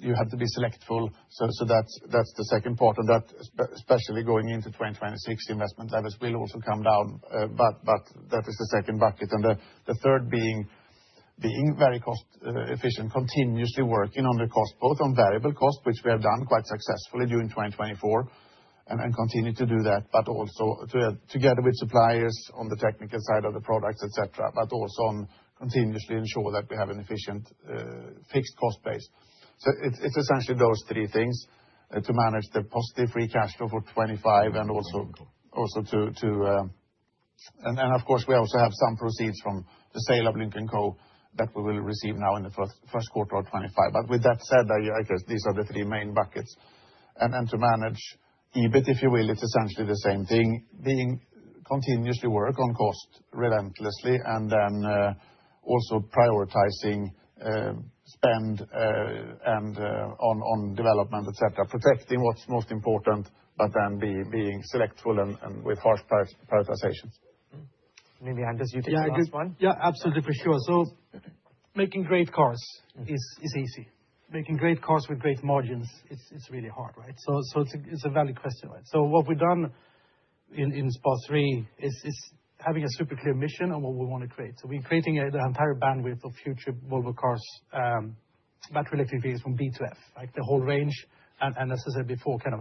you have to be selective. So that's the second part. And that, especially going into 2026, investment levels will also come down, but that is the second bucket. The third being very cost-efficient, continuously working on the cost, both on variable cost, which we have done quite successfully during 2024, and continue to do that, but also together with suppliers on the technical side of the products, etc., but also on continuously ensure that we have an efficient fixed cost base. It's essentially those three things to manage the positive free cash flow for 2025 and also to, and of course, we also have some proceeds from the sale of Lynk & Co that we will receive now in the first quarter of 2025. But with that said, these are the three main buckets. To manage EBIT, if you will, it's essentially the same thing, being continuously work on cost relentlessly and then also prioritizing spend and on development, etc., protecting what's most important, but then being selective and with harsh prioritizations. Maybe Anders Bell, you take the first one. Yeah, absolutely, for sure. So making great cars is easy. Making great cars with great margins, it's really hard, right? So it's a valid question, right? So what we've done in SPA 3 is having a super clear mission on what we want to create. So we're creating the entire bandwidth of future Volvo Cars battery electric vehicles from B to F, the whole range, and as I said before, kind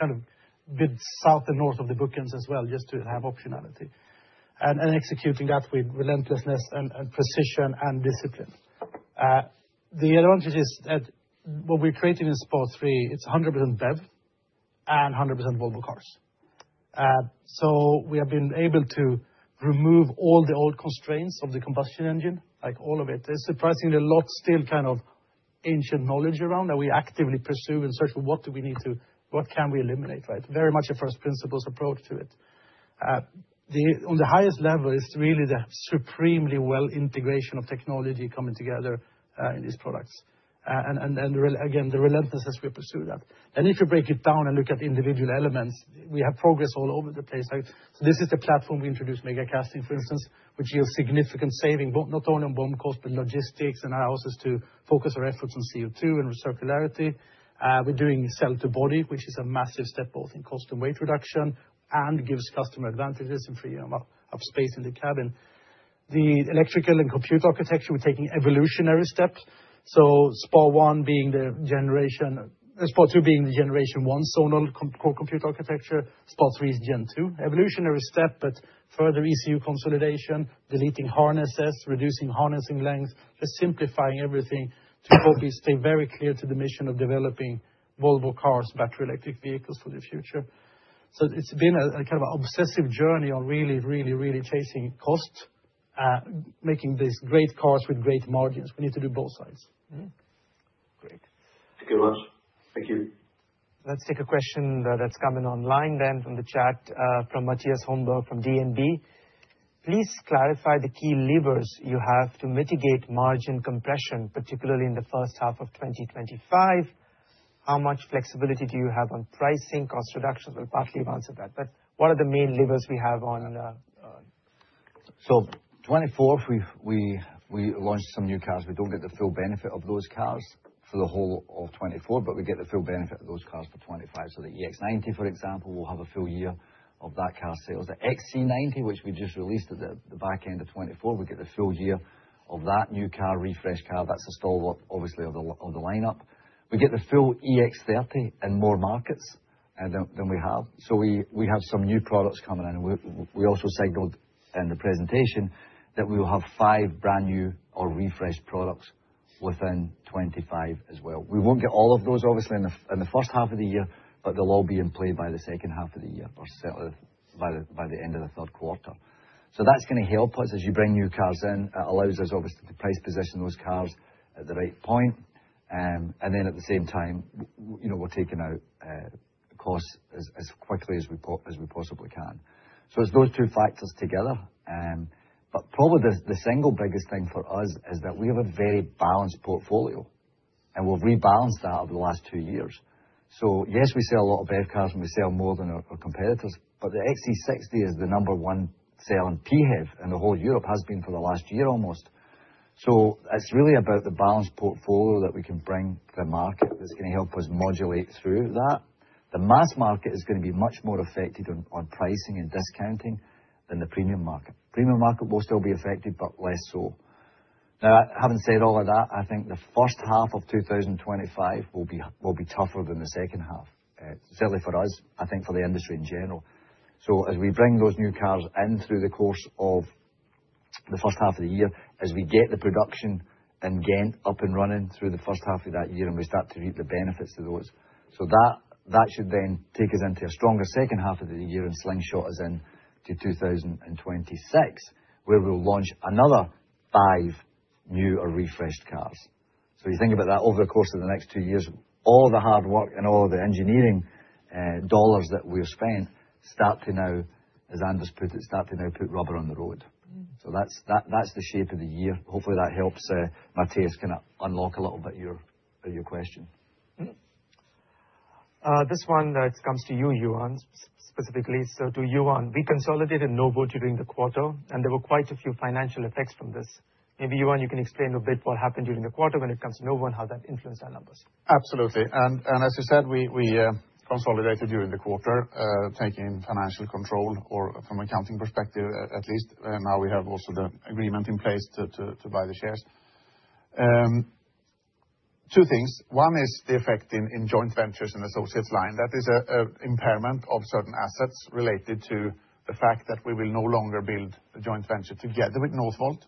of a bit south and north of the bookends as well, just to have optionality. And executing that with relentlessness and precision and discipline. The advantage is that what we're creating in SPA 3, it's 100% BEV and 100% Volvo Cars. So we have been able to remove all the old constraints of the combustion engine, like all of it. There's surprisingly a lot still kind of ancient knowledge around that we actively pursue in search of what do we need to, what can we eliminate, right? Very much a first principles approach to it. On the highest level, it's really the seamless integration of technology coming together in these products, and again, the relentlessness we pursue that, then if you break it down and look at individual elements, we have progress all over the place, so this is the platform we introduced, Megacasting, for instance, which yields significant saving, not only on BOM cost, but logistics and allows us to focus our efforts on CO2 and circularity. We're doing cell-to-body, which is a massive step both in cost and weight reduction and gives customer advantages in freeing up space in the cabin. The electrical and computer architecture, we're taking evolutionary steps. SPA 1 being the generation, SPA 2 being the generation-one scalable computer architecture. SPA 3 is Gen 2. Evolutionary step, but further ECU consolidation, deleting harnesses, reducing harnessing length, just simplifying everything to stay very clear to the mission of developing Volvo Cars battery electric vehicles for the future. It's been a kind of obsessive journey on really, really, really chasing cost, making these great cars with great margins. We need to do both sides. Great. Thank you very much. Thank you. Let's take a question that's coming online then from the chat from Matthias Holmberg from DNB. Please clarify the key levers you have to mitigate margin compression, particularly in the first half of 2025. How much flexibility do you have on pricing, cost reductions? We'll partly answer that. But what are the main levers we have on? So 2024, we launched some new cars. We don't get the full benefit of those cars for the whole of 2024, but we get the full benefit of those cars for 2025. So the EX90, for example, will have a full year of that car sales. The XC90, which we just released at the back end of 2024, we get the full year of that new car, refresh car. That's a stalwart, obviously, of the lineup. We get the full EX30 in more markets than we have. So we have some new products coming in. We also signaled in the presentation that we will have five brand new or refreshed products within 2025 as well. We won't get all of those, obviously, in the first half of the year, but they'll all be in play by the second half of the year or by the end of the third quarter. So that's going to help us as you bring new cars in. It allows us, obviously, to price position those cars at the right point. And then at the same time, we're taking out costs as quickly as we possibly can. So it's those two factors together. But probably the single biggest thing for us is that we have a very balanced portfolio, and we've rebalanced that over the last two years. So yes, we sell a lot of BEV cars, and we sell more than our competitors, but the XC60 is the number one sale in PHEV in the whole Europe, has been for the last year almost. So it's really about the balanced portfolio that we can bring to the market that's going to help us modulate through that. The mass market is going to be much more affected on pricing and discounting than the premium market. Premium market will still be affected, but less so. Now, having said all of that, I think the first half of 2025 will be tougher than the second half, certainly for us, I think for the industry in general. So as we bring those new cars in through the course of the first half of the year, as we get the production in Ghent up and running through the first half of that year and we start to reap the benefits of those. So that should then take us into a stronger second half of the year and slingshot us into 2026, where we'll launch another five new or refreshed cars. So you think about that over the course of the next two years, all the hard work and all of the engineering dollars that we have spent start to now, as Anders Bell put it, start to now put rubber on the road. So that's the shape of the year. Hopefully, that helps Matthias kind of unlock a little bit of your question. This one comes to you, Johan Ekdahl, specifically. So to Johan Ekdahl, we consolidated Novo during the quarter, and there were quite a few financial effects from this. Maybe Johan Ekdahl, you can explain a bit what happened during the quarter when it comes to NOVO and how that influenced our numbers. Absolutely. And as you said, we consolidated during the quarter, taking financial control or from accounting perspective at least. Now we have also the agreement in place to buy the shares. Two things. One is the effect in joint ventures and associates line. That is an impairment of certain assets related to the fact that we will no longer build a joint venture together with Northvolt.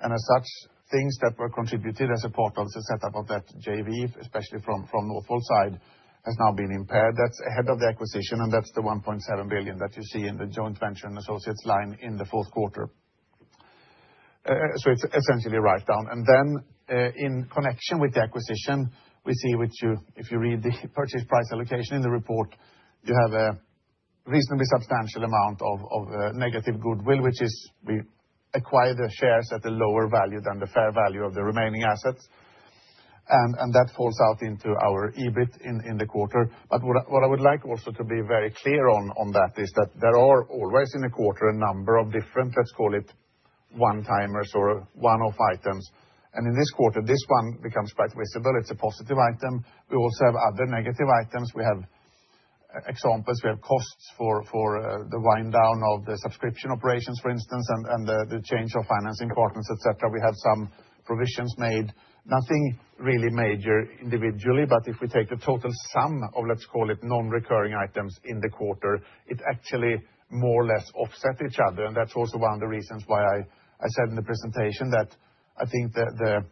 And as such, things that were contributed as a part of the setup of that JV, especially from Northvolt's side, has now been impaired. That's ahead of the acquisition, and that's the 1.7 billion that you see in the joint venture and associates line in the fourth quarter. So it's essentially right down. And then, in connection with the acquisition, we see which, if you read the purchase price allocation in the report, you have a reasonably substantial amount of negative goodwill, which is, we acquired the shares at a lower value than the fair value of the remaining assets. And that falls out into our EBIT in the quarter. But what I would like also to be very clear on that is that there are always in a quarter a number of different, let's call it one-timers or one-off items. And in this quarter, this one becomes quite visible. It's a positive item. We also have other negative items. We have examples. We have costs for the wind down of the subscription operations, for instance, and the change of financing partners, etc. We have some provisions made. Nothing really major individually, but if we take the total sum of, let's call it, non-recurring items in the quarter, it actually more or less offsets each other. And that's also one of the reasons why I said in the presentation that I think the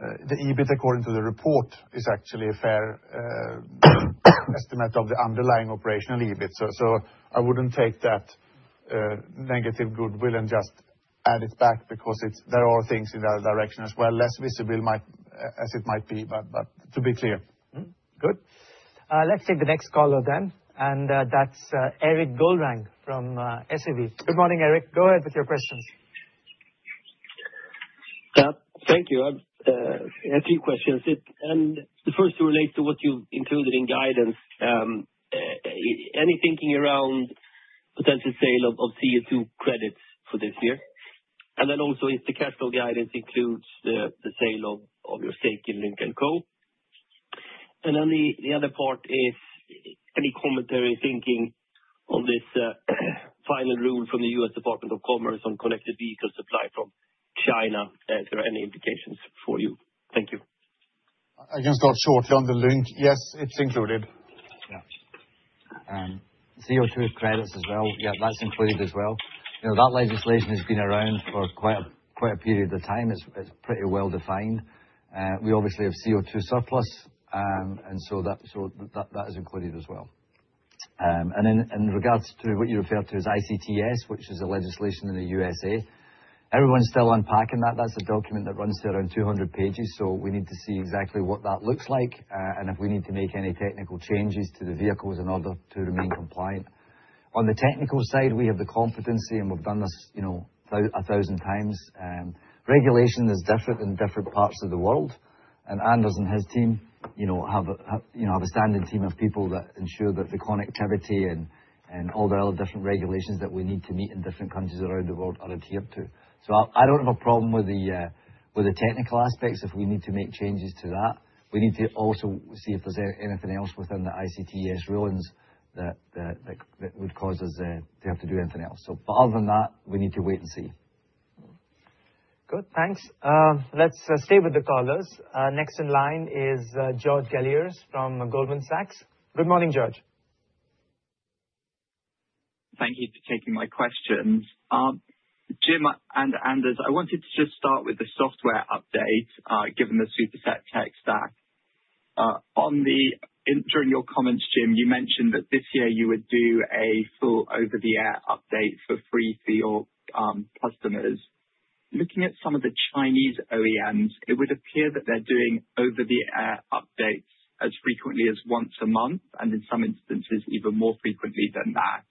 EBIT, according to the report, is actually a fair estimate of the underlying operational EBIT, so I wouldn't take that negative goodwill and just add it back because there are things in that direction as well, less visible as it might be, but to be clear. Good. Let's take the next caller then, and that's Erik Golrang from SEB. Good morning, Erik Golrang.Go ahead with your questions. Thank you. I have two questions. And the first relates to what you've included in guidance. Any thinking around potential sale of CO2 credits for this year? And then also, if the cash flow guidance includes the sale of your stake in Lynk & Co. And then the other part is any commentary thinking on this final rule from the U.S. Department of Commerce on connected vehicle supply from China, if there are any implications for you? Thank you. I can start shortly on Lynk & Co. Yes, it's included. Yeah. CO2 credits as well. Yeah, that's included as well. That legislation has been around for quite a period of time. It's pretty well defined. We obviously have CO2 surplus, and so that is included as well, and in regards to what you referred to as ICTS, which is a legislation in the USA, everyone's still unpacking that. That's a document that runs through around 200 pages, so we need to see exactly what that looks like and if we need to make any technical changes to the vehicles in order to remain compliant. On the technical side, we have the competency, and we've done this a thousand times. Regulation is different in different parts of the world. And Anders Bell and his team have a standing team of people that ensure that the connectivity and all the other different regulations that we need to meet in different countries around the world are adhered to. So I don't have a problem with the technical aspects if we need to make changes to that. We need to also see if there's anything else within the ICTS rulings that would cause us to have to do anything else. But other than that, we need to wait and see. Good. Thanks. Let's stay with the callers. Next in line is George Galliers from Goldman Sachs. Good morning, George. Thank you for taking my questions. Jim Rowan and Anders Bell, I wanted to just start with the software update given the Superset tech stack. During your comments, Jim Rowan, you mentioned that this year you would do a full over-the-air update for free for your customers. Looking at some of the Chinese OEMs, it would appear that they're doing over-the-air updates as frequently as once a month and in some instances even more frequently than that.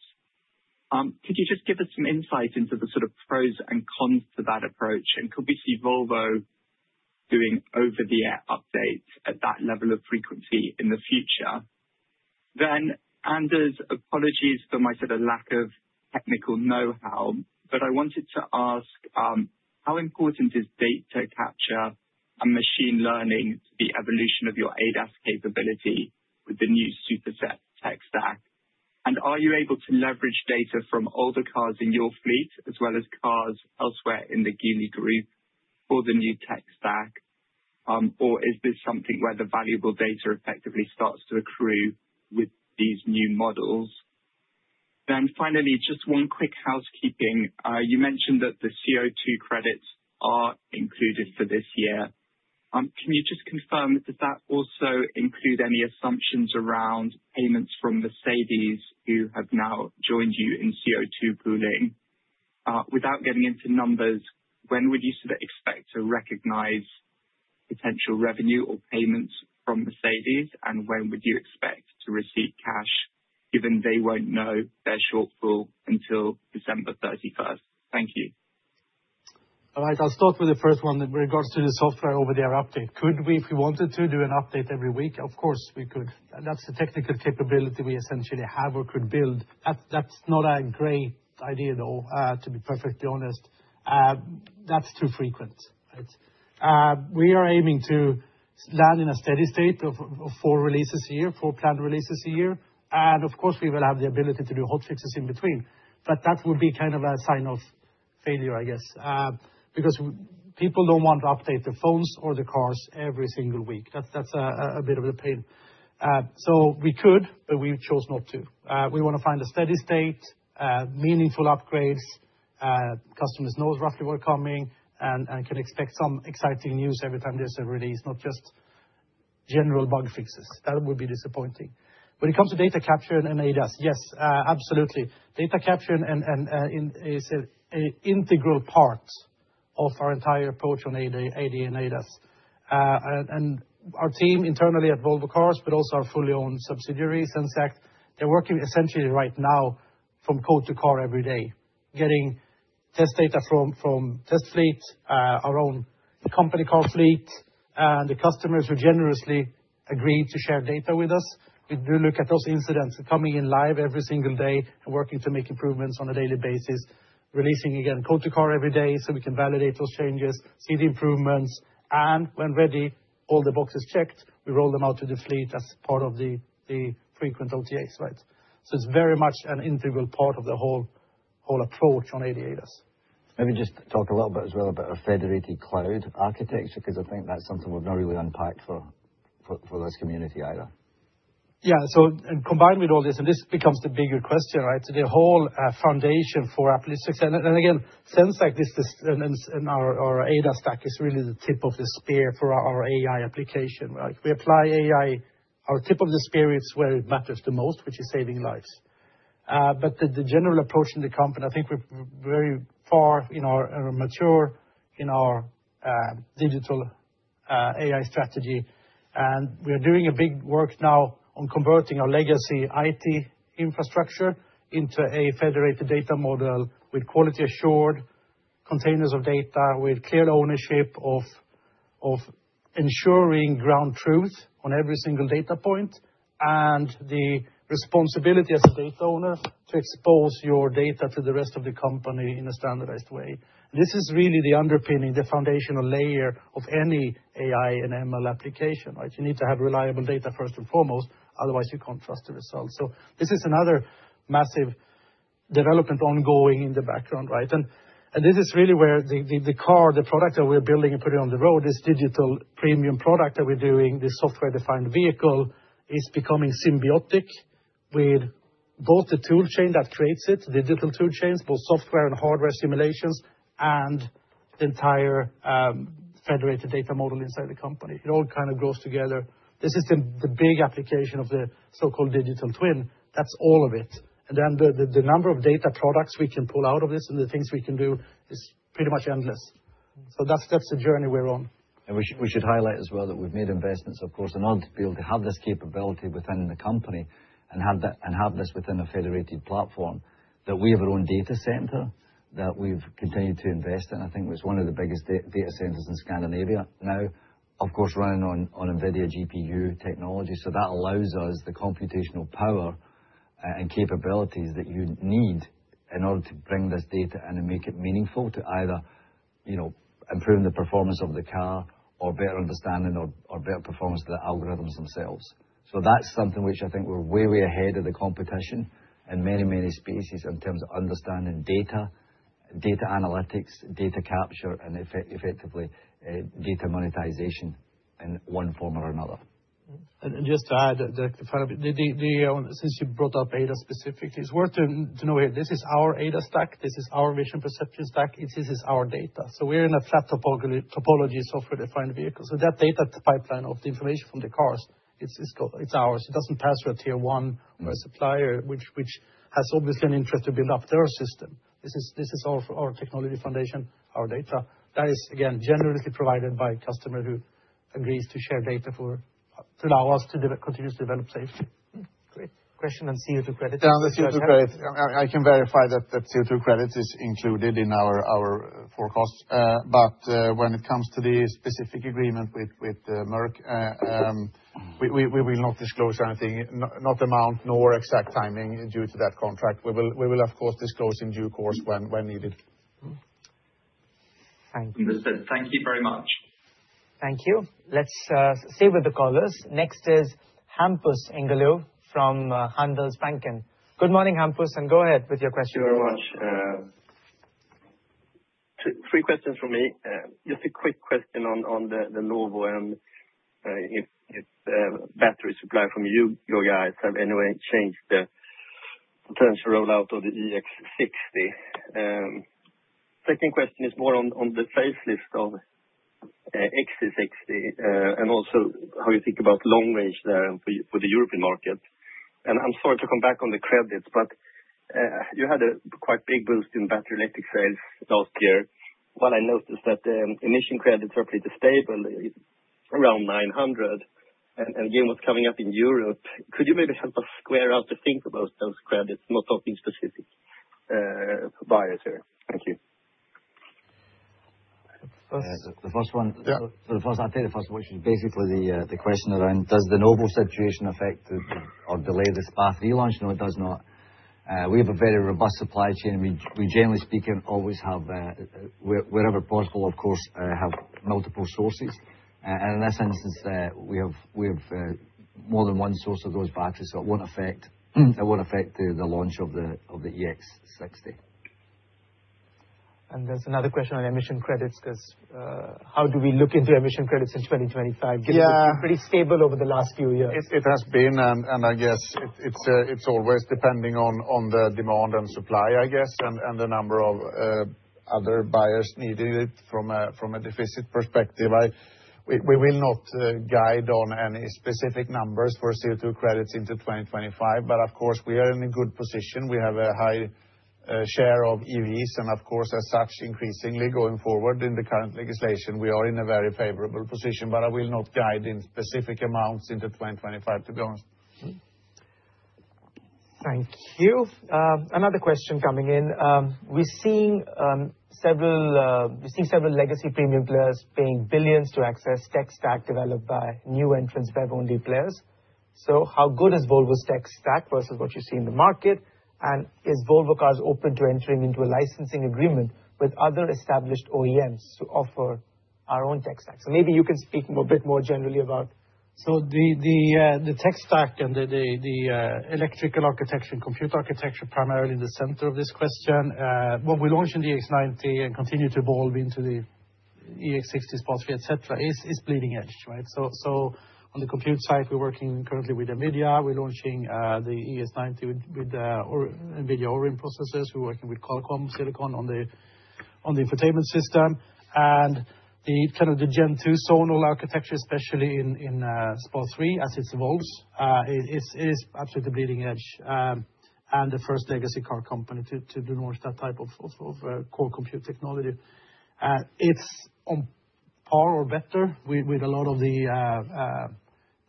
Could you just give us some insight into the sort of pros and cons to that approach? And could we see Volvo doing over-the-air updates at that level of frequency in the future? Then, Anders Bell, apologies for my sort of lack of technical know-how, but I wanted to ask, how important is data capture and machine learning to the evolution of your ADAS capability with the new Superset tech stack? Are you able to leverage data from all the cars in your fleet as well as cars elsewhere in the Geely Group for the new tech stack? Or is this something where the valuable data effectively starts to accrue with these new models? Then finally, just one quick housekeeping. You mentioned that the CO2 credits are included for this year. Can you just confirm, does that also include any assumptions around payments from Mercedes who have now joined you in CO2 pooling? Without getting into numbers, when would you sort of expect to recognize potential revenue or payments from Mercedes, and when would you expect to receive cash given they won't know their shortfall until December 31st? Thank you. All right. I'll start with the first one in regards to the software over-the-air update. Could we, if we wanted to, do an update every week? Of course, we could. That's the technical capability we essentially have or could build. That's not a great idea, though, to be perfectly honest. That's too frequent. We are aiming to land in a steady state of four releases a year, four planned releases a year, and of course, we will have the ability to do hot fixes in between, but that would be kind of a sign of failure, I guess, because people don't want to update their phones or their cars every single week. That's a bit of a pain, so we could, but we chose not to. We want to find a steady state, meaningful upgrades. Customers know roughly what's coming and can expect some exciting news every time there's a release, not just general bug fixes. That would be disappointing. When it comes to data capture and ADAS, yes, absolutely. Data capture is an integral part of our entire approach on AD and ADAS. And our team internally at Volvo Cars, but also our fully owned subsidiaries, Zenseact, they're working essentially right now from code to car every day, getting test data from Test Fleet, our own company car fleet, and the customers who generously agreed to share data with us. We do look at those incidents coming in live every single day and working to make improvements on a daily basis, releasing again code to car every day so we can validate those changes, see the improvements. And when ready, all the boxes checked, we roll them out to the fleet as part of the frequent OTAs, right? So it's very much an integral part of the whole approach on AD/ADAS. Maybe just talk a little bit as well about a Federated Cloud architecture because I think that's something we've not really unpacked for this community either. Yeah. So combined with all this, and this becomes the bigger question, right? So the whole foundation for Apple's success, and again, Zenseact and our ADAS stack is really the tip of the spear for our AI application. We apply AI, our tip of the spear is where it matters the most, which is saving lives. But the general approach in the company, I think we're very far in our mature digital AI strategy. And we are doing big work now on converting our legacy IT infrastructure into a federated data model with quality assured containers of data with clear ownership of ensuring ground truth on every single data point and the responsibility as a data owner to expose your data to the rest of the company in a standardized way. This is really the underpinning, the foundational layer of any AI and ML application, right? You need to have reliable data first and foremost, otherwise you can't trust the results, so this is another massive development ongoing in the background, right? And this is really where the car, the product that we're building and putting on the road is digital premium product that we're doing. The software-defined vehicle is becoming symbiotic with both the toolchain that creates it, digital toolchains, both software and hardware simulations, and the entire federated data model inside the company. It all kind of grows together. This is the big application of the so-called digital twin. That's all of it, and then the number of data products we can pull out of this and the things we can do is pretty much endless, so that's the journey we're on. We should highlight as well that we've made investments, of course, in AD to be able to have this capability within the company and have this within a federated platform, that we have our own data center that we've continued to invest in. I think it's one of the biggest data centers in Scandinavia now, of course, running on NVIDIA GPU technology. That allows us the computational power and capabilities that you need in order to bring this data and make it meaningful to either improve the performance of the car or better understanding or better performance of the algorithms themselves. That's something which I think we're way, way ahead of the competition in many, many spaces in terms of understanding data, data analytics, data capture, and effectively data monetization in one form or another. And just to add, Derek, the final bit, since you brought up ADAS specifically. It's worth to know here, this is our ADAS stack. This is our vision perception stack. This is our data. So we're in a flat topology software-defined vehicle. So that data pipeline of the information from the cars, it's ours. It doesn't pass through a tier one supplier, which has obviously an interest to build up their system. This is our technology foundation, our data. That is, again, generously provided by a customer who agrees to share data to allow us to continue to develop safely. Great question on CO2 credits. Yeah, on the CO2 credits, I can verify that CO2 credits is included in our forecast. But when it comes to the specific agreement with Mercedes-Benz, we will not disclose anything, not the amount nor exact timing due to that contract. We will, of course, disclose in due course when needed. Thank you. Understood. Thank you very much. Thank you. Let's stay with the callers. Next is Hampus Engellau from Handelsbanken. Good morning, Hampus Engellau, and go ahead with your question. Thank you very much. Three questions from me. Just a quick question on the Novo and its battery supply from you guys. Has anything changed the potential rollout of the EX60? Second question is more on the facelift of XC60 and also how you think about long range there for the European market. And I'm sorry to come back on the credits, but you had a quite big boost in battery electric sales last year. What I noticed is that emission credits are pretty stable, around 900. And again, what's coming up in Europe, could you maybe help us sort out the things about those credits, not talking about specific buyers here? Thank you. The first one, I'll take the first one, which is basically the question around does the Novo situation affect or delay this battery launch? No, it does not. We have a very robust supply chain. We generally speaking always have, wherever possible, of course, have multiple sources. And in this instance, we have more than one source of those batteries, so it won't affect the launch of the EX60. There's another question on emission credits. How do we look into emission credits in 2025? It's been pretty stable over the last few years. It has been, and I guess it's always depending on the demand and supply, I guess, and the number of other buyers needing it from a deficit perspective. We will not guide on any specific numbers for CO2 credits into 2025, but of course, we are in a good position. We have a high share of EVs and, of course, as such, increasingly going forward in the current legislation, we are in a very favorable position, but I will not guide in specific amounts into 2025 to be honest. Thank you. Another question coming in. We're seeing several legacy premium players paying billions to access tech stack developed by new entrants who have only players. So how good is Volvo's tech stack versus what you see in the market? And is Volvo Cars open to entering into a licensing agreement with other established OEMs to offer our own tech stack? So maybe you can speak a bit more generally about. So the tech stack and the electrical architecture and compute architecture primarily in the center of this question. What we launched in the EX90 and continue to evolve into the EX60, Polestar, etc., is bleeding edge, right? So on the compute side, we're working currently with NVIDIA. We're launching the EX90 with NVIDIA Orin processors. We're working with Qualcomm silicon on the infotainment system. And kind of the Gen 2 SPA architecture, especially in Polestar as it evolves, is absolutely bleeding edge and the first legacy car company to launch that type of core compute technology. It's on par or better with a lot of the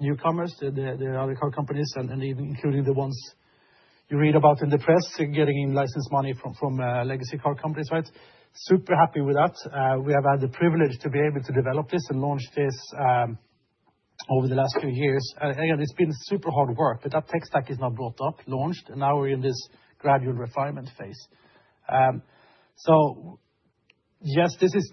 newcomers, the other car companies, and including the ones you read about in the press getting licensed money from legacy car companies, right? Super happy with that. We have had the privilege to be able to develop this and launch this over the last few years. Again, it's been super hard work, but that tech stack is not brought up, launched, and now we're in this gradual refinement phase. So yes, this is,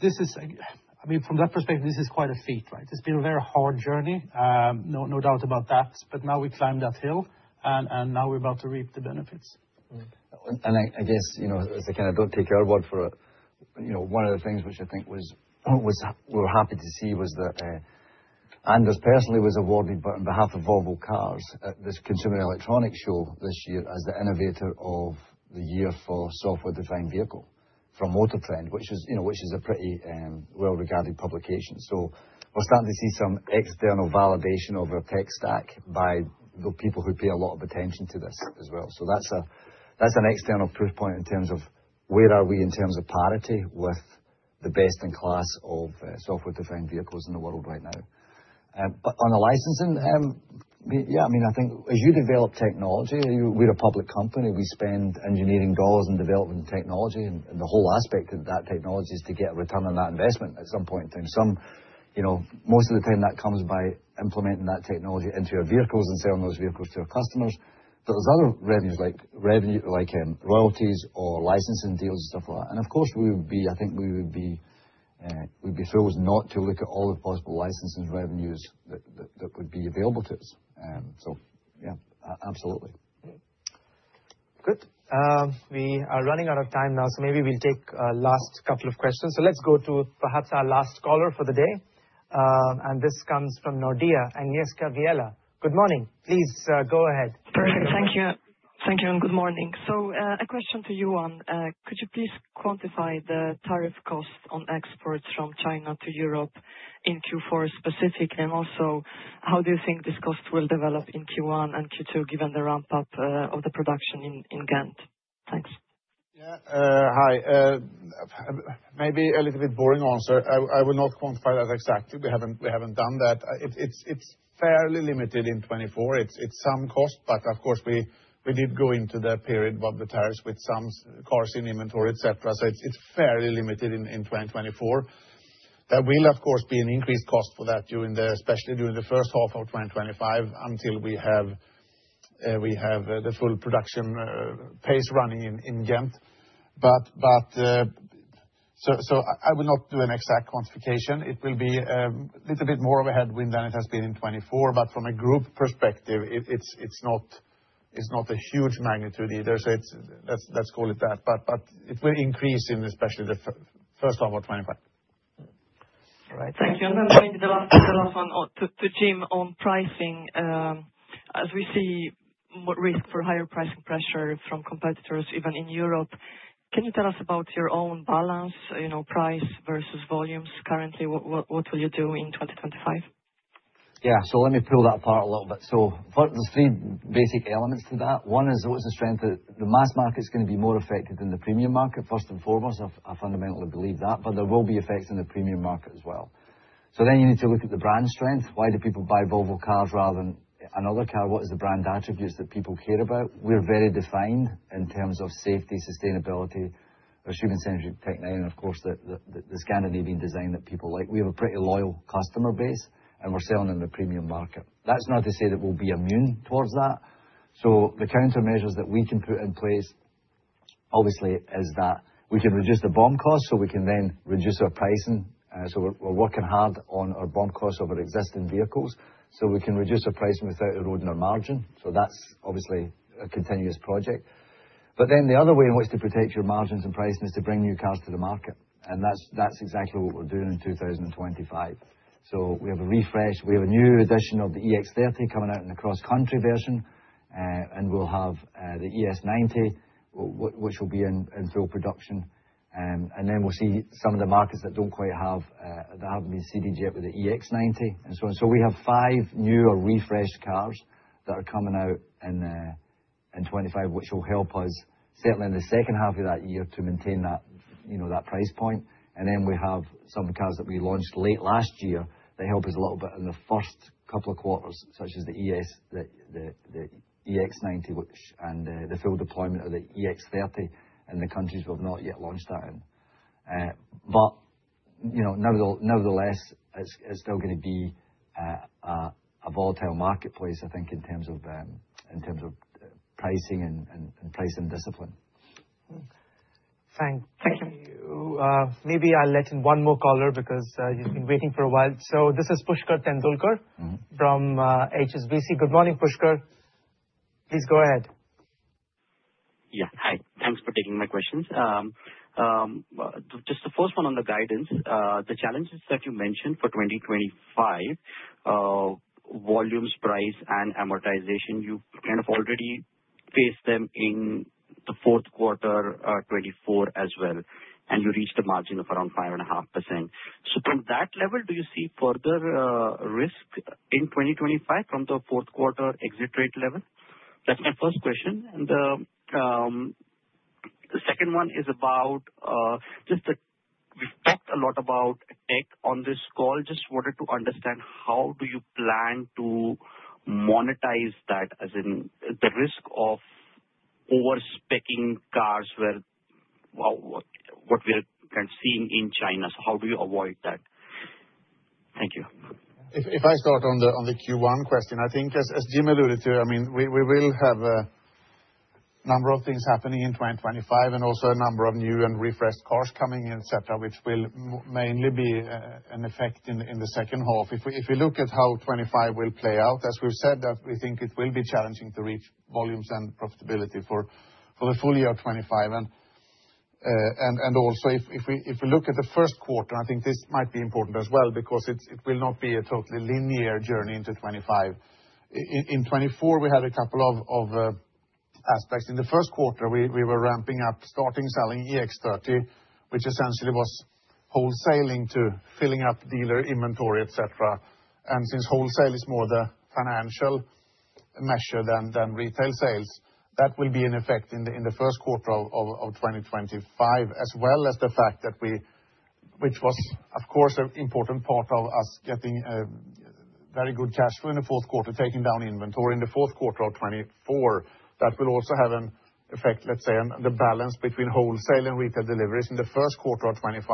I mean, from that perspective, this is quite a feat, right? It's been a very hard journey, no doubt about that, but now we climbed that hill and now we're about to reap the benefits. I guess, as a kind of don't take your word for it, one of the things which I think we were happy to see was that Anders Bell personally was awarded, on behalf of Volvo Cars, this Consumer Electronics Show this year as the Innovator of the Year for Software-Defined Vehicle from MotorTrend, which is a pretty well-regarded publication. We're starting to see some external validation of our tech stack by the people who pay a lot of attention to this as well. That's an external proof point in terms of where are we in terms of parity with the best in class of software-defined vehicles in the world right now. On the licensing, yeah, I mean, I think as you develop technology, we're a public company. We spend engineering dollars in development technology, and the whole aspect of that technology is to get a return on that investment at some point in time. Most of the time, that comes by implementing that technology into your vehicles and selling those vehicles to your customers. But there's other revenues like royalties or licensing deals and stuff like that. And of course, I think we would be thrilled not to look at all the possible licensing revenues that would be available to us. So yeah, absolutely. Good. We are running out of time now, so maybe we'll take a last couple of questions. So let's go to perhaps our last caller for the day. And this comes from Nordea Agnieszka Vilela. Good morning. Please go ahead. Perfect. Thank you. Thank you and good morning, so a question to you, Johan Ekdahl. Could you please quantify the tariff cost on exports from China to Europe in Q4 specifically? And also, how do you think this cost will develop in Q1 and Q2 given the ramp-up of the production in Ghent? Thanks. Yeah. Hi. Maybe a little bit boring answer. I will not quantify that exactly. We haven't done that. It's fairly limited in 2024. It's some cost, but of course, we did go into the period of the tariffs with some cars in inventory, etc. So it's fairly limited in 2024. There will, of course, be an increased cost for that, especially during the first half of 2025 until we have the full production pace running in Ghent. So I will not do an exact quantification. It will be a little bit more of a headwind than it has been in 2024, but from a group perspective, it's not a huge magnitude either. So let's call it that. But it will increase in especially the first half of 2025. All right. Thank you. And then maybe the last one to Jim Rowan on pricing. As we see risk for higher pricing pressure from competitors even in Europe, can you tell us about your own balance, price versus volumes currently? What will you do in 2025? Yeah. So let me pull that apart a little bit. So there's three basic elements to that. One is always the strength that the mass market is going to be more affected than the premium market, first and foremost. I fundamentally believe that, but there will be effects in the premium market as well. So then you need to look at the brand strength. Why do people buy Volvo Cars rather than another car? What are the brand attributes that people care about? We're very defined in terms of safety, sustainability, or human-centric tech design, and of course, the Scandinavian design that people like. We have a pretty loyal customer base, and we're selling in the premium market. That's not to say that we'll be immune towards that. So the countermeasures that we can put in place, obviously, is that we can reduce the BOM cost so we can then reduce our pricing. So we're working hard on our BOM costs of our existing vehicles so we can reduce our pricing without eroding our margin. So that's obviously a continuous project. But then the other way in which to protect your margins and pricing is to bring new cars to the market. And that's exactly what we're doing in 2025. So we have a refresh. We have a new edition of the EX30 coming out in the cross-country version, and we'll have the ES90, which will be in full production. And then we'll see some of the markets that don't quite have that haven't been seeded yet with the EX90 and so on. We have five new or refreshed cars that are coming out in 2025, which will help us certainly in the second half of that year to maintain that price point. And then we have some cars that we launched late last year that help us a little bit in the first couple of quarters, such as the EX90 and the full deployment of the EX30 in the countries we have not yet launched that in. But nevertheless, it's still going to be a volatile marketplace, I think, in terms of pricing and pricing discipline. Thank you. Maybe I'll let in one more caller because he's been waiting for a while. So this is Pushkar Tendulkar from HSBC. Good morning, Pushkar. Please go ahead. Yeah. Hi. Thanks for taking my questions. Just the first one on the guidance, the challenges that you mentioned for 2025, volumes, price, and amortization, you kind of already faced them in the fourth quarter 2024 as well, and you reached a margin of around 5.5%. So from that level, do you see further risk in 2025 from the fourth quarter exit rate level? That's my first question. And the second one is about just that we've talked a lot about tech on this call. Just wanted to understand how do you plan to monetize that, as in the risk of overspeccing cars where what we're kind of seeing in China. So how do you avoid that? Thank you. If I start on the Q1 question, I think, as Jim Rowan alluded to, I mean, we will have a number of things happening in 2025 and also a number of new and refreshed cars coming in, etc., which will mainly be an effect in the second half. If we look at how 2025 will play out, as we've said, we think it will be challenging to reach volumes and profitability for the full year of 2025. And also, if we look at the first quarter, I think this might be important as well because it will not be a totally linear journey into 2025. In 2024, we had a couple of aspects. In the first quarter, we were ramping up, starting selling EX30, which essentially was wholesaling to filling up dealer inventory, etc. Since wholesale is more the financial measure than retail sales, that will be an effect in the first quarter of 2025, as well as the fact that we, which was, of course, an important part of us getting very good cash flow in the fourth quarter of 2024. That will also have an effect, let's say, on the balance between wholesale and retail deliveries in the first quarter of 2025.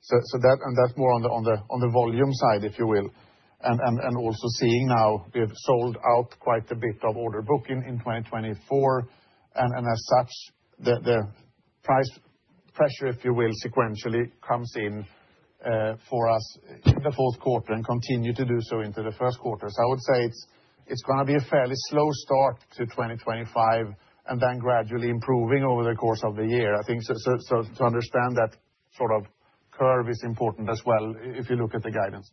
So that's more on the volume side, if you will. And also seeing now we've sold out quite a bit of order book in 2024. And as such, the price pressure, if you will, sequentially comes in for us in the fourth quarter and continue to do so into the first quarter. So I would say it's going to be a fairly slow start to 2025 and then gradually improving over the course of the year. I think to understand that sort of curve is important as well if you look at the guidance.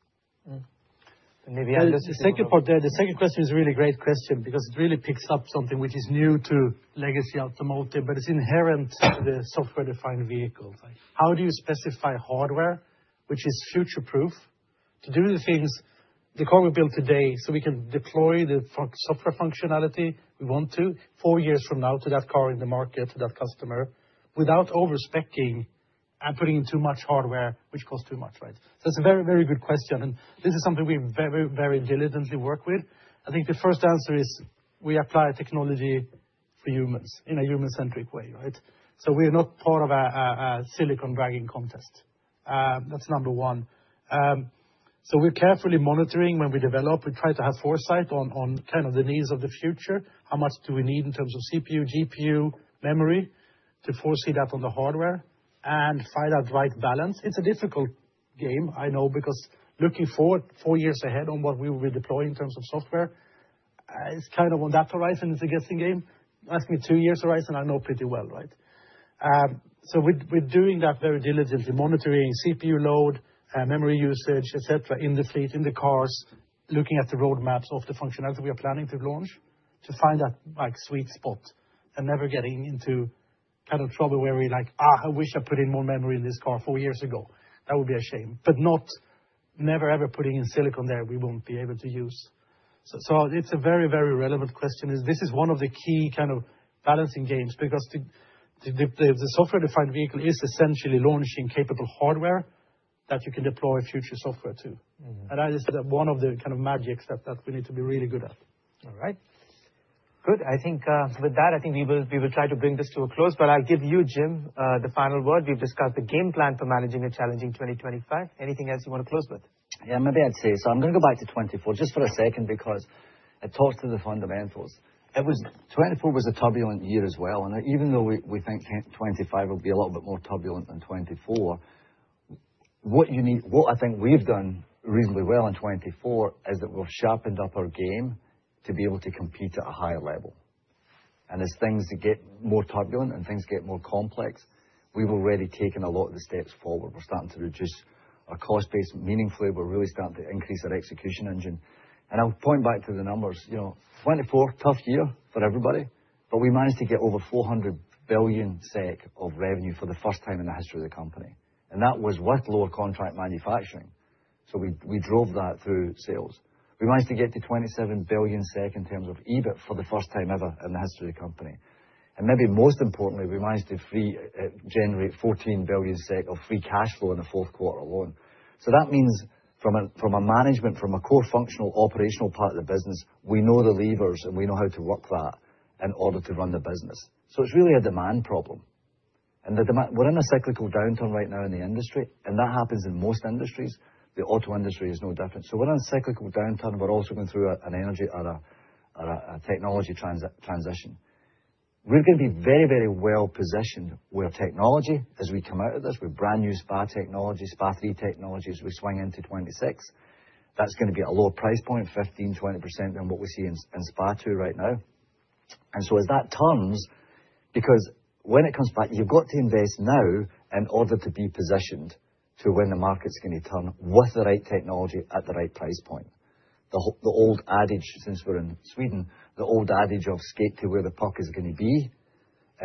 Maybe Anders Bell is going to. The second question is a really great question because it really picks up something which is new to legacy automotive, but it's inherent to the software-defined vehicles. How do you specify hardware, which is future-proof, to do the things the car we build today so we can deploy the software functionality we want to four years from now to that car in the market, to that customer, without overspeccing and putting in too much hardware, which costs too much, right? So it's a very, very good question, and this is something we very, very diligently work with. I think the first answer is we apply technology for humans in a human-centric way, right, so we're not part of a silicon dragging contest. That's number one, so we're carefully monitoring when we develop. We try to have foresight on kind of the needs of the future. How much do we need in terms of CPU, GPU, memory to foresee that on the hardware and find that right balance? It's a difficult game, I know, because looking forward four years ahead on what we will be deploying in terms of software, it's kind of on that horizon. It's a guessing game. Ask me two years' horizon, I know pretty well, right? So we're doing that very diligently, monitoring CPU load, memory usage, etc., in the fleet, in the cars, looking at the roadmaps of the functionality we are planning to launch to find that sweet spot and never getting into kind of trouble where we're like, "I wish I put in more memory in this car four years ago." That would be a shame. But not never, ever putting in silicon there we won't be able to use. So it's a very, very relevant question. This is one of the key kind of balancing games because the software-defined vehicle is essentially launching capable hardware that you can deploy future software to, and that is one of the kind of magics that we need to be really good at. All right. Good. I think with that, I think we will try to bring this to a close, but I'll give you, Jim Rowan, the final word. We've discussed the game plan for managing a challenging 2025. Anything else you want to close with? Yeah, maybe I'd say so. I'm going to go back to 2024 just for a second because it talks to the fundamentals. It was 2024, a turbulent year as well. And even though we think 2025 will be a little bit more turbulent than 2024, what I think we've done reasonably well in 2024 is that we've sharpened up our game to be able to compete at a higher level. And as things get more turbulent and things get more complex, we've already taken a lot of the steps forward. We're starting to reduce our cost base meaningfully. We're really starting to increase our execution engine. And I'll point back to the numbers. 2024, tough year for everybody, but we managed to get over 400 billion SEK of revenue for the first time in the history of the company. And that was with lower contract manufacturing. So we drove that through sales. We managed to get to 27 billion SEK in terms of EBIT for the first time ever in the history of the company. And maybe most importantly, we managed to generate 14 billion SEK of free cash flow in the fourth quarter alone. So that means from a management, from a core functional operational part of the business, we know the levers and we know how to work that in order to run the business. So it's really a demand problem. And we're in a cyclical downturn right now in the industry, and that happens in most industries. The auto industry is no different. So we're in a cyclical downturn. We're also going through an energy or a technology transition. We're going to be very, very well positioned where technology, as we come out of this, with brand new SPA technology, SPA 3 technologies, we swing into 2026. That's going to be a low price point, 15%-20% than what we see in SPA 2 right now. And so as that turns, because when it comes back, you've got to invest now in order to be positioned to when the market's going to turn with the right technology at the right price point. The old adage, since we're in Sweden, the old adage of skate to where the puck is going to be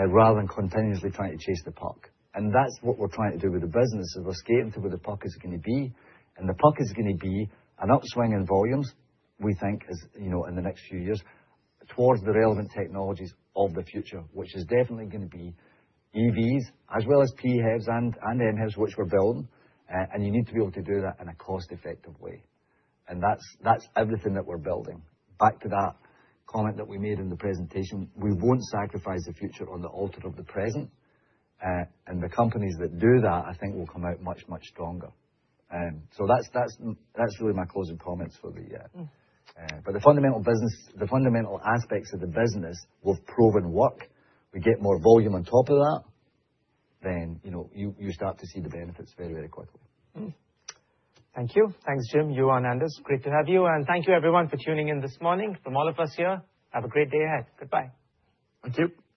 rather than continuously trying to chase the puck. And that's what we're trying to do with the business is we're skating to where the puck is going to be. And the puck is going to be an upswing in volumes, we think, in the next few years towards the relevant technologies of the future, which is definitely going to be EVs as well as PHEVs and MHEVs, which we're building. And you need to be able to do that in a cost-effective way. And that's everything that we're building. Back to that comment that we made in the presentation, we won't sacrifice the future on the altar of the present. And the companies that do that, I think, will come out much, much stronger. So that's really my closing comments for the year. But the fundamental aspects of the business will prove and work. We get more volume on top of that, then you start to see the benefits very, very quickly. Thank you. Thanks, Jim Rowan. You and Anders Bell. Great to have you. And thank you, everyone, for tuning in this morning. From all of us here, have a great day ahead. Goodbye. Thank you.